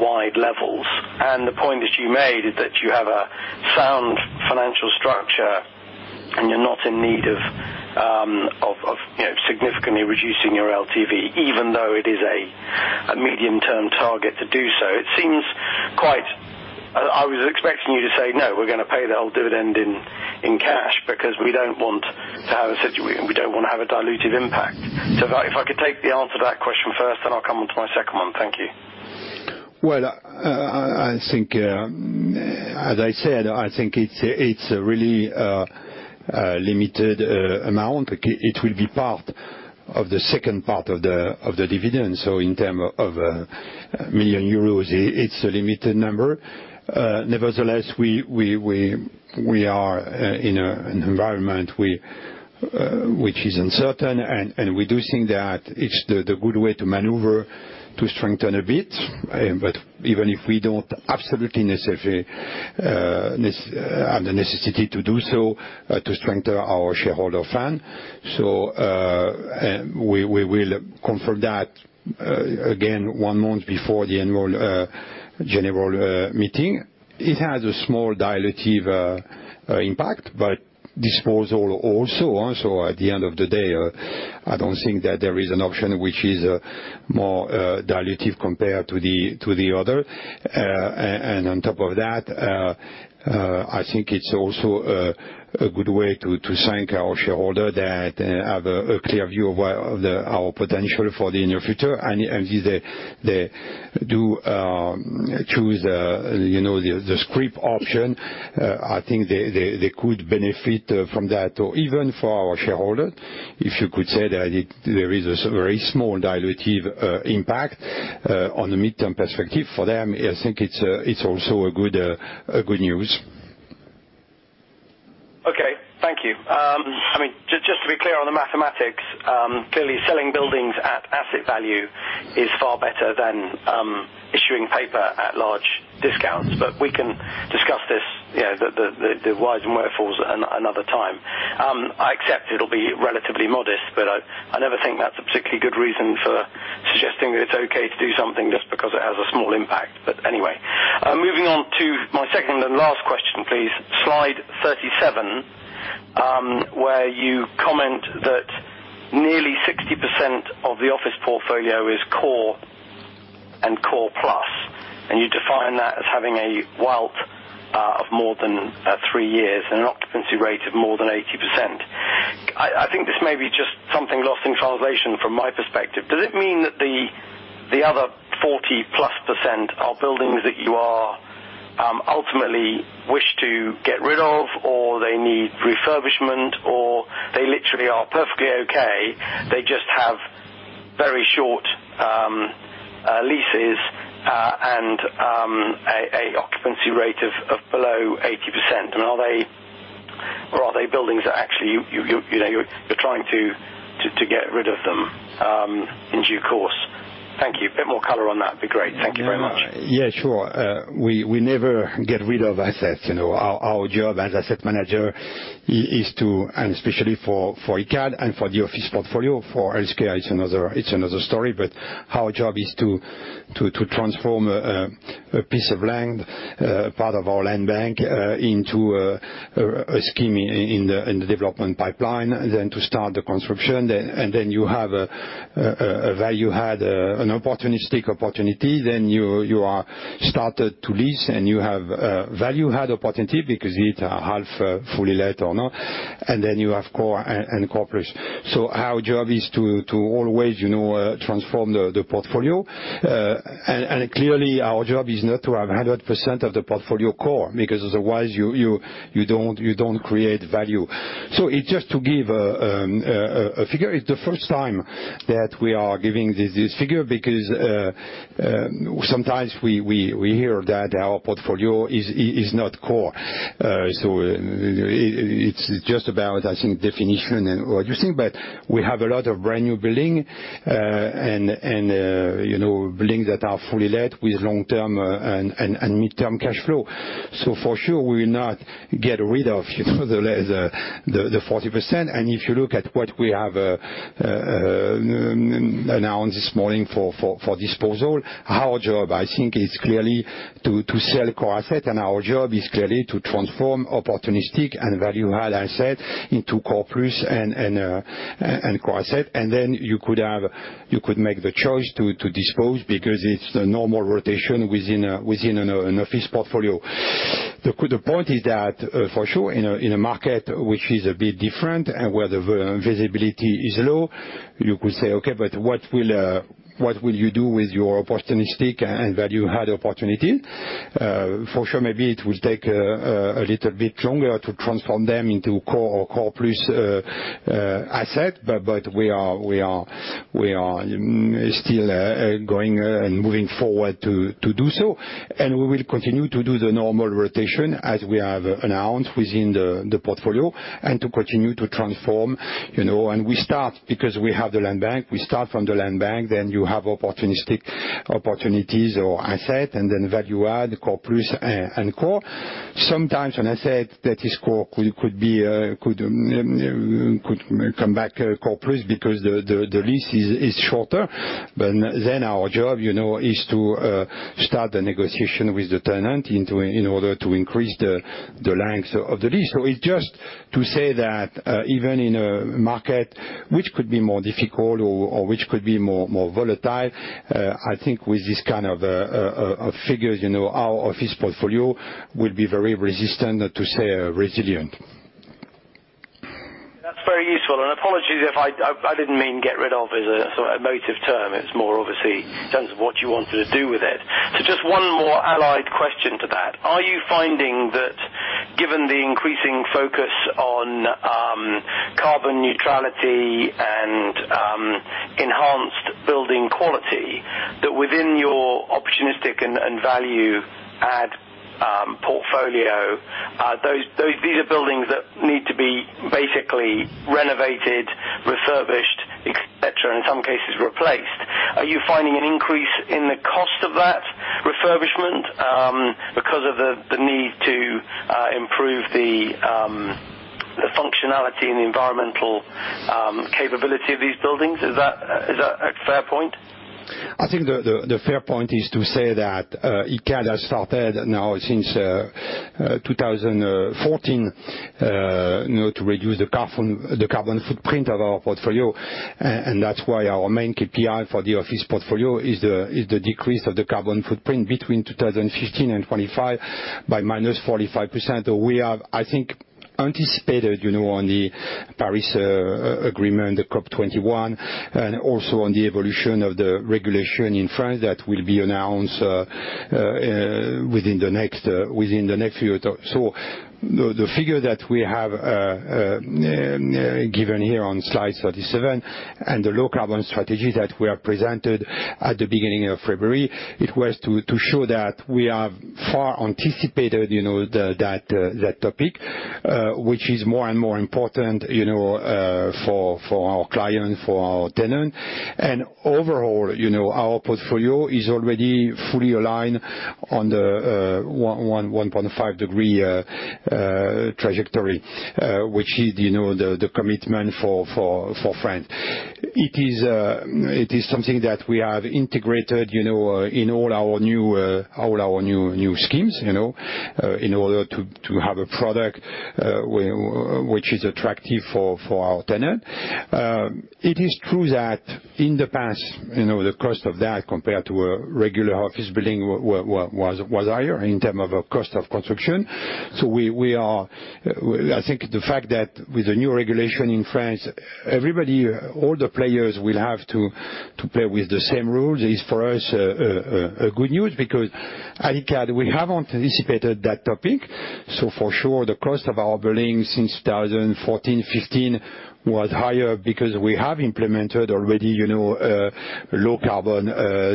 wide levels, and the point that you made is that you have a sound financial structure, and you're not in need of significantly reducing your LTV, even though it is a medium-term target to do so. I was expecting you to say, "No, we're going to pay the whole dividend in cash because we don't want to have a diluted impact." If I could take the answer to that question first, then I'll come on to my second one. Thank you. Well, as I said, I think it's a really limited amount. It will be part of the second part of the dividend. In term of 1 million euros, it's a limited number. Nevertheless, we are in an environment which is uncertain, and we do think that it's the good way to maneuver, to strengthen a bit. Even if we don't absolutely have the necessity to do so, to strengthen our shareholder fan. We will confirm that again one month before the Annual General Meeting. It has a small dilutive impact, but disposal also. At the end of the day, I don't think that there is an option which is more dilutive compared to the other. On top of that, I think it's also a good way to thank our shareholder that have a clear view of our potential for the near future. If they do choose the scrip option, I think they could benefit from that. Even for our shareholder, if you could say that there is a very small dilutive impact on the midterm perspective for them, I think it's also a good news. Okay. Thank you. Just to be clear on the mathematics, clearly selling buildings at asset value is far better than issuing paper at large discounts, but we can discuss this, the whys and wherefores another time. I accept it'll be relatively modest, but I never think that's a particularly good reason for suggesting that it's okay to do something just because it has a small impact. Anyway. Moving on to my second and last question, please. Slide 37, where you comment that nearly 60% of the office portfolio is core and core plus, and you define that as having a WALT of more than three years and an occupancy rate of more than 80%. I think this may be just something lost in translation from my perspective. Does it mean that the other 40-plus % are buildings that you ultimately wish to get rid of, or they need refurbishment, or they literally are perfectly okay, they just have very short leases and a occupancy rate of below 80%? Are they buildings that actually you're trying to get rid of them in due course. Thank you. A bit more color on that'd be great. Thank you very much. Yeah, sure. We never get rid of assets. Our job as asset manager is to, and especially for Icade and for the office portfolio, for HC it's another story, but our job is to transform a piece of land, part of our land bank, into a scheme in the development pipeline, then to start the construction. Then you have a value add, an opportunistic opportunity. Then you are started to lease and you have value add opportunity because it half fully let or not, and then you have core and core plus. Our job is to always transform the portfolio. Clearly, our job is not to have 100% of the portfolio core, because otherwise you don't create value. Just to give a figure, it's the first time that we are giving this figure because sometimes we hear that our portfolio is not core. It's just about, I think definition and what you think, but we have a lot of brand-new building, and buildings that are fully let with long-term and mid-term cash flow. For sure, we will not get rid of the 40%. If you look at what we have announced this morning for disposal, our job, I think, is clearly to sell core asset and our job is clearly to transform opportunistic and value add asset into core plus and core asset. Then you could make the choice to dispose, because it's the normal rotation within an office portfolio. The point is that, for sure, in a market which is a bit different and where the visibility is low, you could say, okay, what will you do with your opportunistic and value add opportunity? For sure, maybe it will take a little bit longer to transform them into core or core plus asset, we are still going and moving forward to do so. We will continue to do the normal rotation as we have announced within the portfolio and to continue to transform. We start because we have the land bank. We start from the land bank, then you have opportunistic opportunities or asset, and then value add, core plus, and core. Sometimes an asset that is core could come back core plus because the lease is shorter. Then our job is to start the negotiation with the tenant in order to increase the length of the lease. It's just to say that, even in a market which could be more difficult or which could be more volatile, I think with this kind of figures, our office portfolio will be very resistant, to say, resilient. That's very useful. Apologies, I didn't mean get rid of as a emotive term. It's more obviously in terms of what you want to do with it. Just one more allied question to that. Are you finding that given the increasing focus on carbon neutrality and enhanced building quality, that within your opportunistic and value add portfolio, these are buildings that need to be basically renovated, refurbished, et cetera, and in some cases, replaced. Are you finding an increase in the cost of that refurbishment because of the need to improve the functionality and the environmental capability of these buildings? Is that a fair point? I think the fair point is to say that Icade has started now since 2014, to reduce the carbon footprint of our portfolio. That's why our main KPI for the office portfolio is the decrease of the carbon footprint between 2015 and 2025 by minus 45%. We have, I think, anticipated, on the Paris Agreement, the COP 21, and also on the evolution of the regulation in France that will be announced within the next few years. The figure that we have given here on slide 37 and the low carbon strategy that we have presented at the beginning of February, it was to show that we have far anticipated that topic. Which is more and more important for our client, for our tenant. Overall, our portfolio is already fully aligned on the 1.5 degree trajectory which is the commitment for France. It is something that we have integrated in all our new schemes, in order to have a product which is attractive for our tenant. It is true that in the past, the cost of that compared to a regular office building was higher in terms of cost of construction. I think the fact that with the new regulation in France, all the players will have to play with the same rules is, for us, a good news because at Icade, we have anticipated that topic. For sure, the cost of our building since 2014, 2015 was higher because we have implemented already, low carbon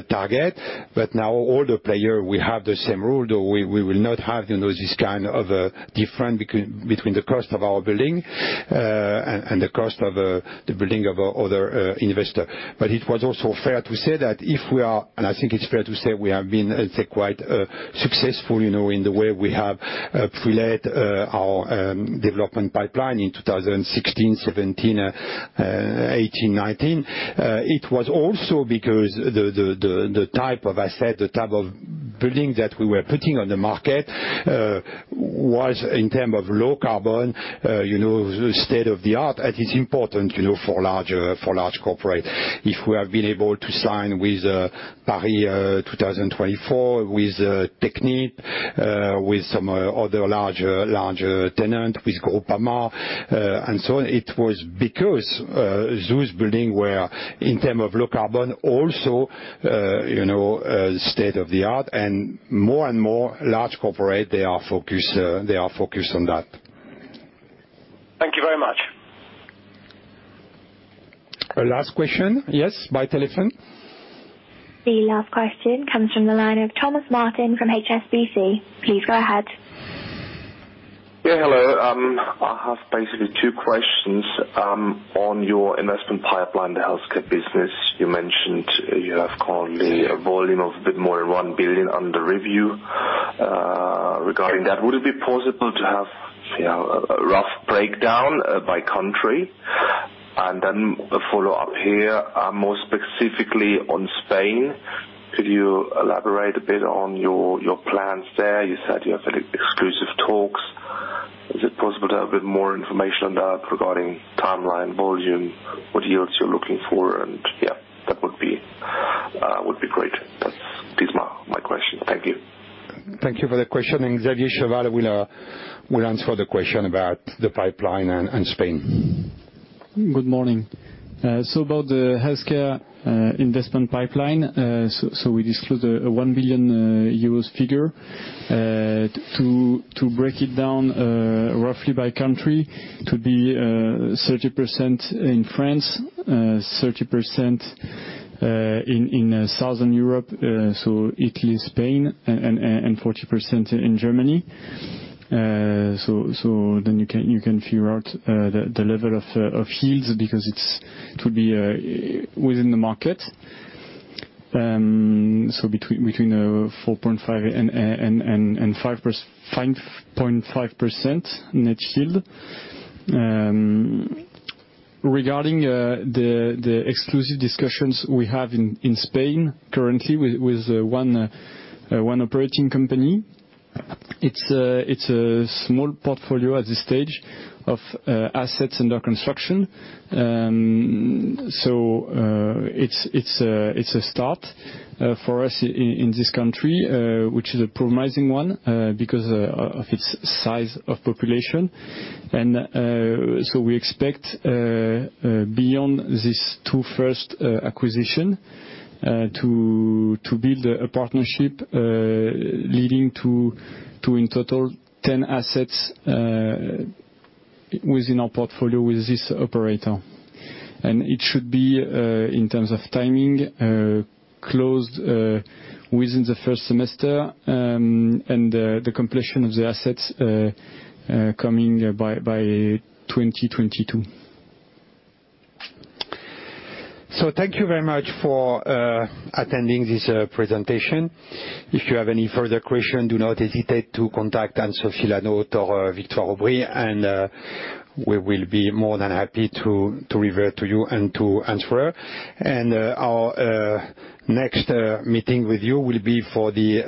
target, but now all the players will have the same rule. We will not have this kind of a difference between the cost of our building, and the cost of the building of other investors. It was also fair to say that if we are, and I think it's fair to say we have been, let's say, quite successful in the way we have pre-let our development pipeline in 2016, '17, '18, '19. It was also because the type of asset, the type of building that we were putting on the market, was, in terms of low carbon, state-of-the-art, and it's important for large corporate. If we have been able to sign with Paris 2024, with Technip, with some other larger tenant, with Groupama, and so on. It was because those buildings were, in terms of low carbon, also state-of-the-art and more and more large corporate, they are focused on that. Thank you very much. Last question, yes, by telephone. The last question comes from the line of Thomas Martin from HSBC. Please go ahead. Hello. I have basically two questions. On your investment pipeline, the Healthcare business, you mentioned you have currently a volume of a bit more than 1 billion under review. Regarding that, would it be possible to have a rough breakdown by country? A follow-up here, more specifically on Spain. Could you elaborate a bit on your plans there? You said you have exclusive talks. Is it possible to have a bit more information on that regarding timeline, volume, what yields you're looking for? That would be great. That's my question. Thank you. Thank you for the question, Xavier Cheval will answer the question about the pipeline and Spain. Good morning. About the Healthcare investment pipeline. We disclosed a 1 billion euros figure. To break it down roughly by country, it could be 30% in France, 30% in Southern Europe, Italy, Spain, and 40% in Germany. You can figure out the level of yields because it could be within the market. Between 4.5% and 5.5% net yield. Regarding the exclusive discussions we have in Spain currently with one operating company. It's a small portfolio at this stage of assets under construction. It's a start for us in this country, which is a promising one, because of its size of population. We expect, beyond these two first acquisition, to build a partnership, leading to, in total, 10 assets within our portfolio with this operator. It should be, in terms of timing, closed within the first semester, and the completion of the assets coming by 2022. Thank you very much for attending this presentation. If you have any further question, do not hesitate to contact Anne-Sophie Lanaute or Victoire Aubry, and we will be more than happy to revert to you and to answer. Our next meeting with you will be for the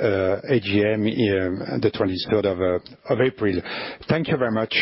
AGM the 23rd of April. Thank you very much.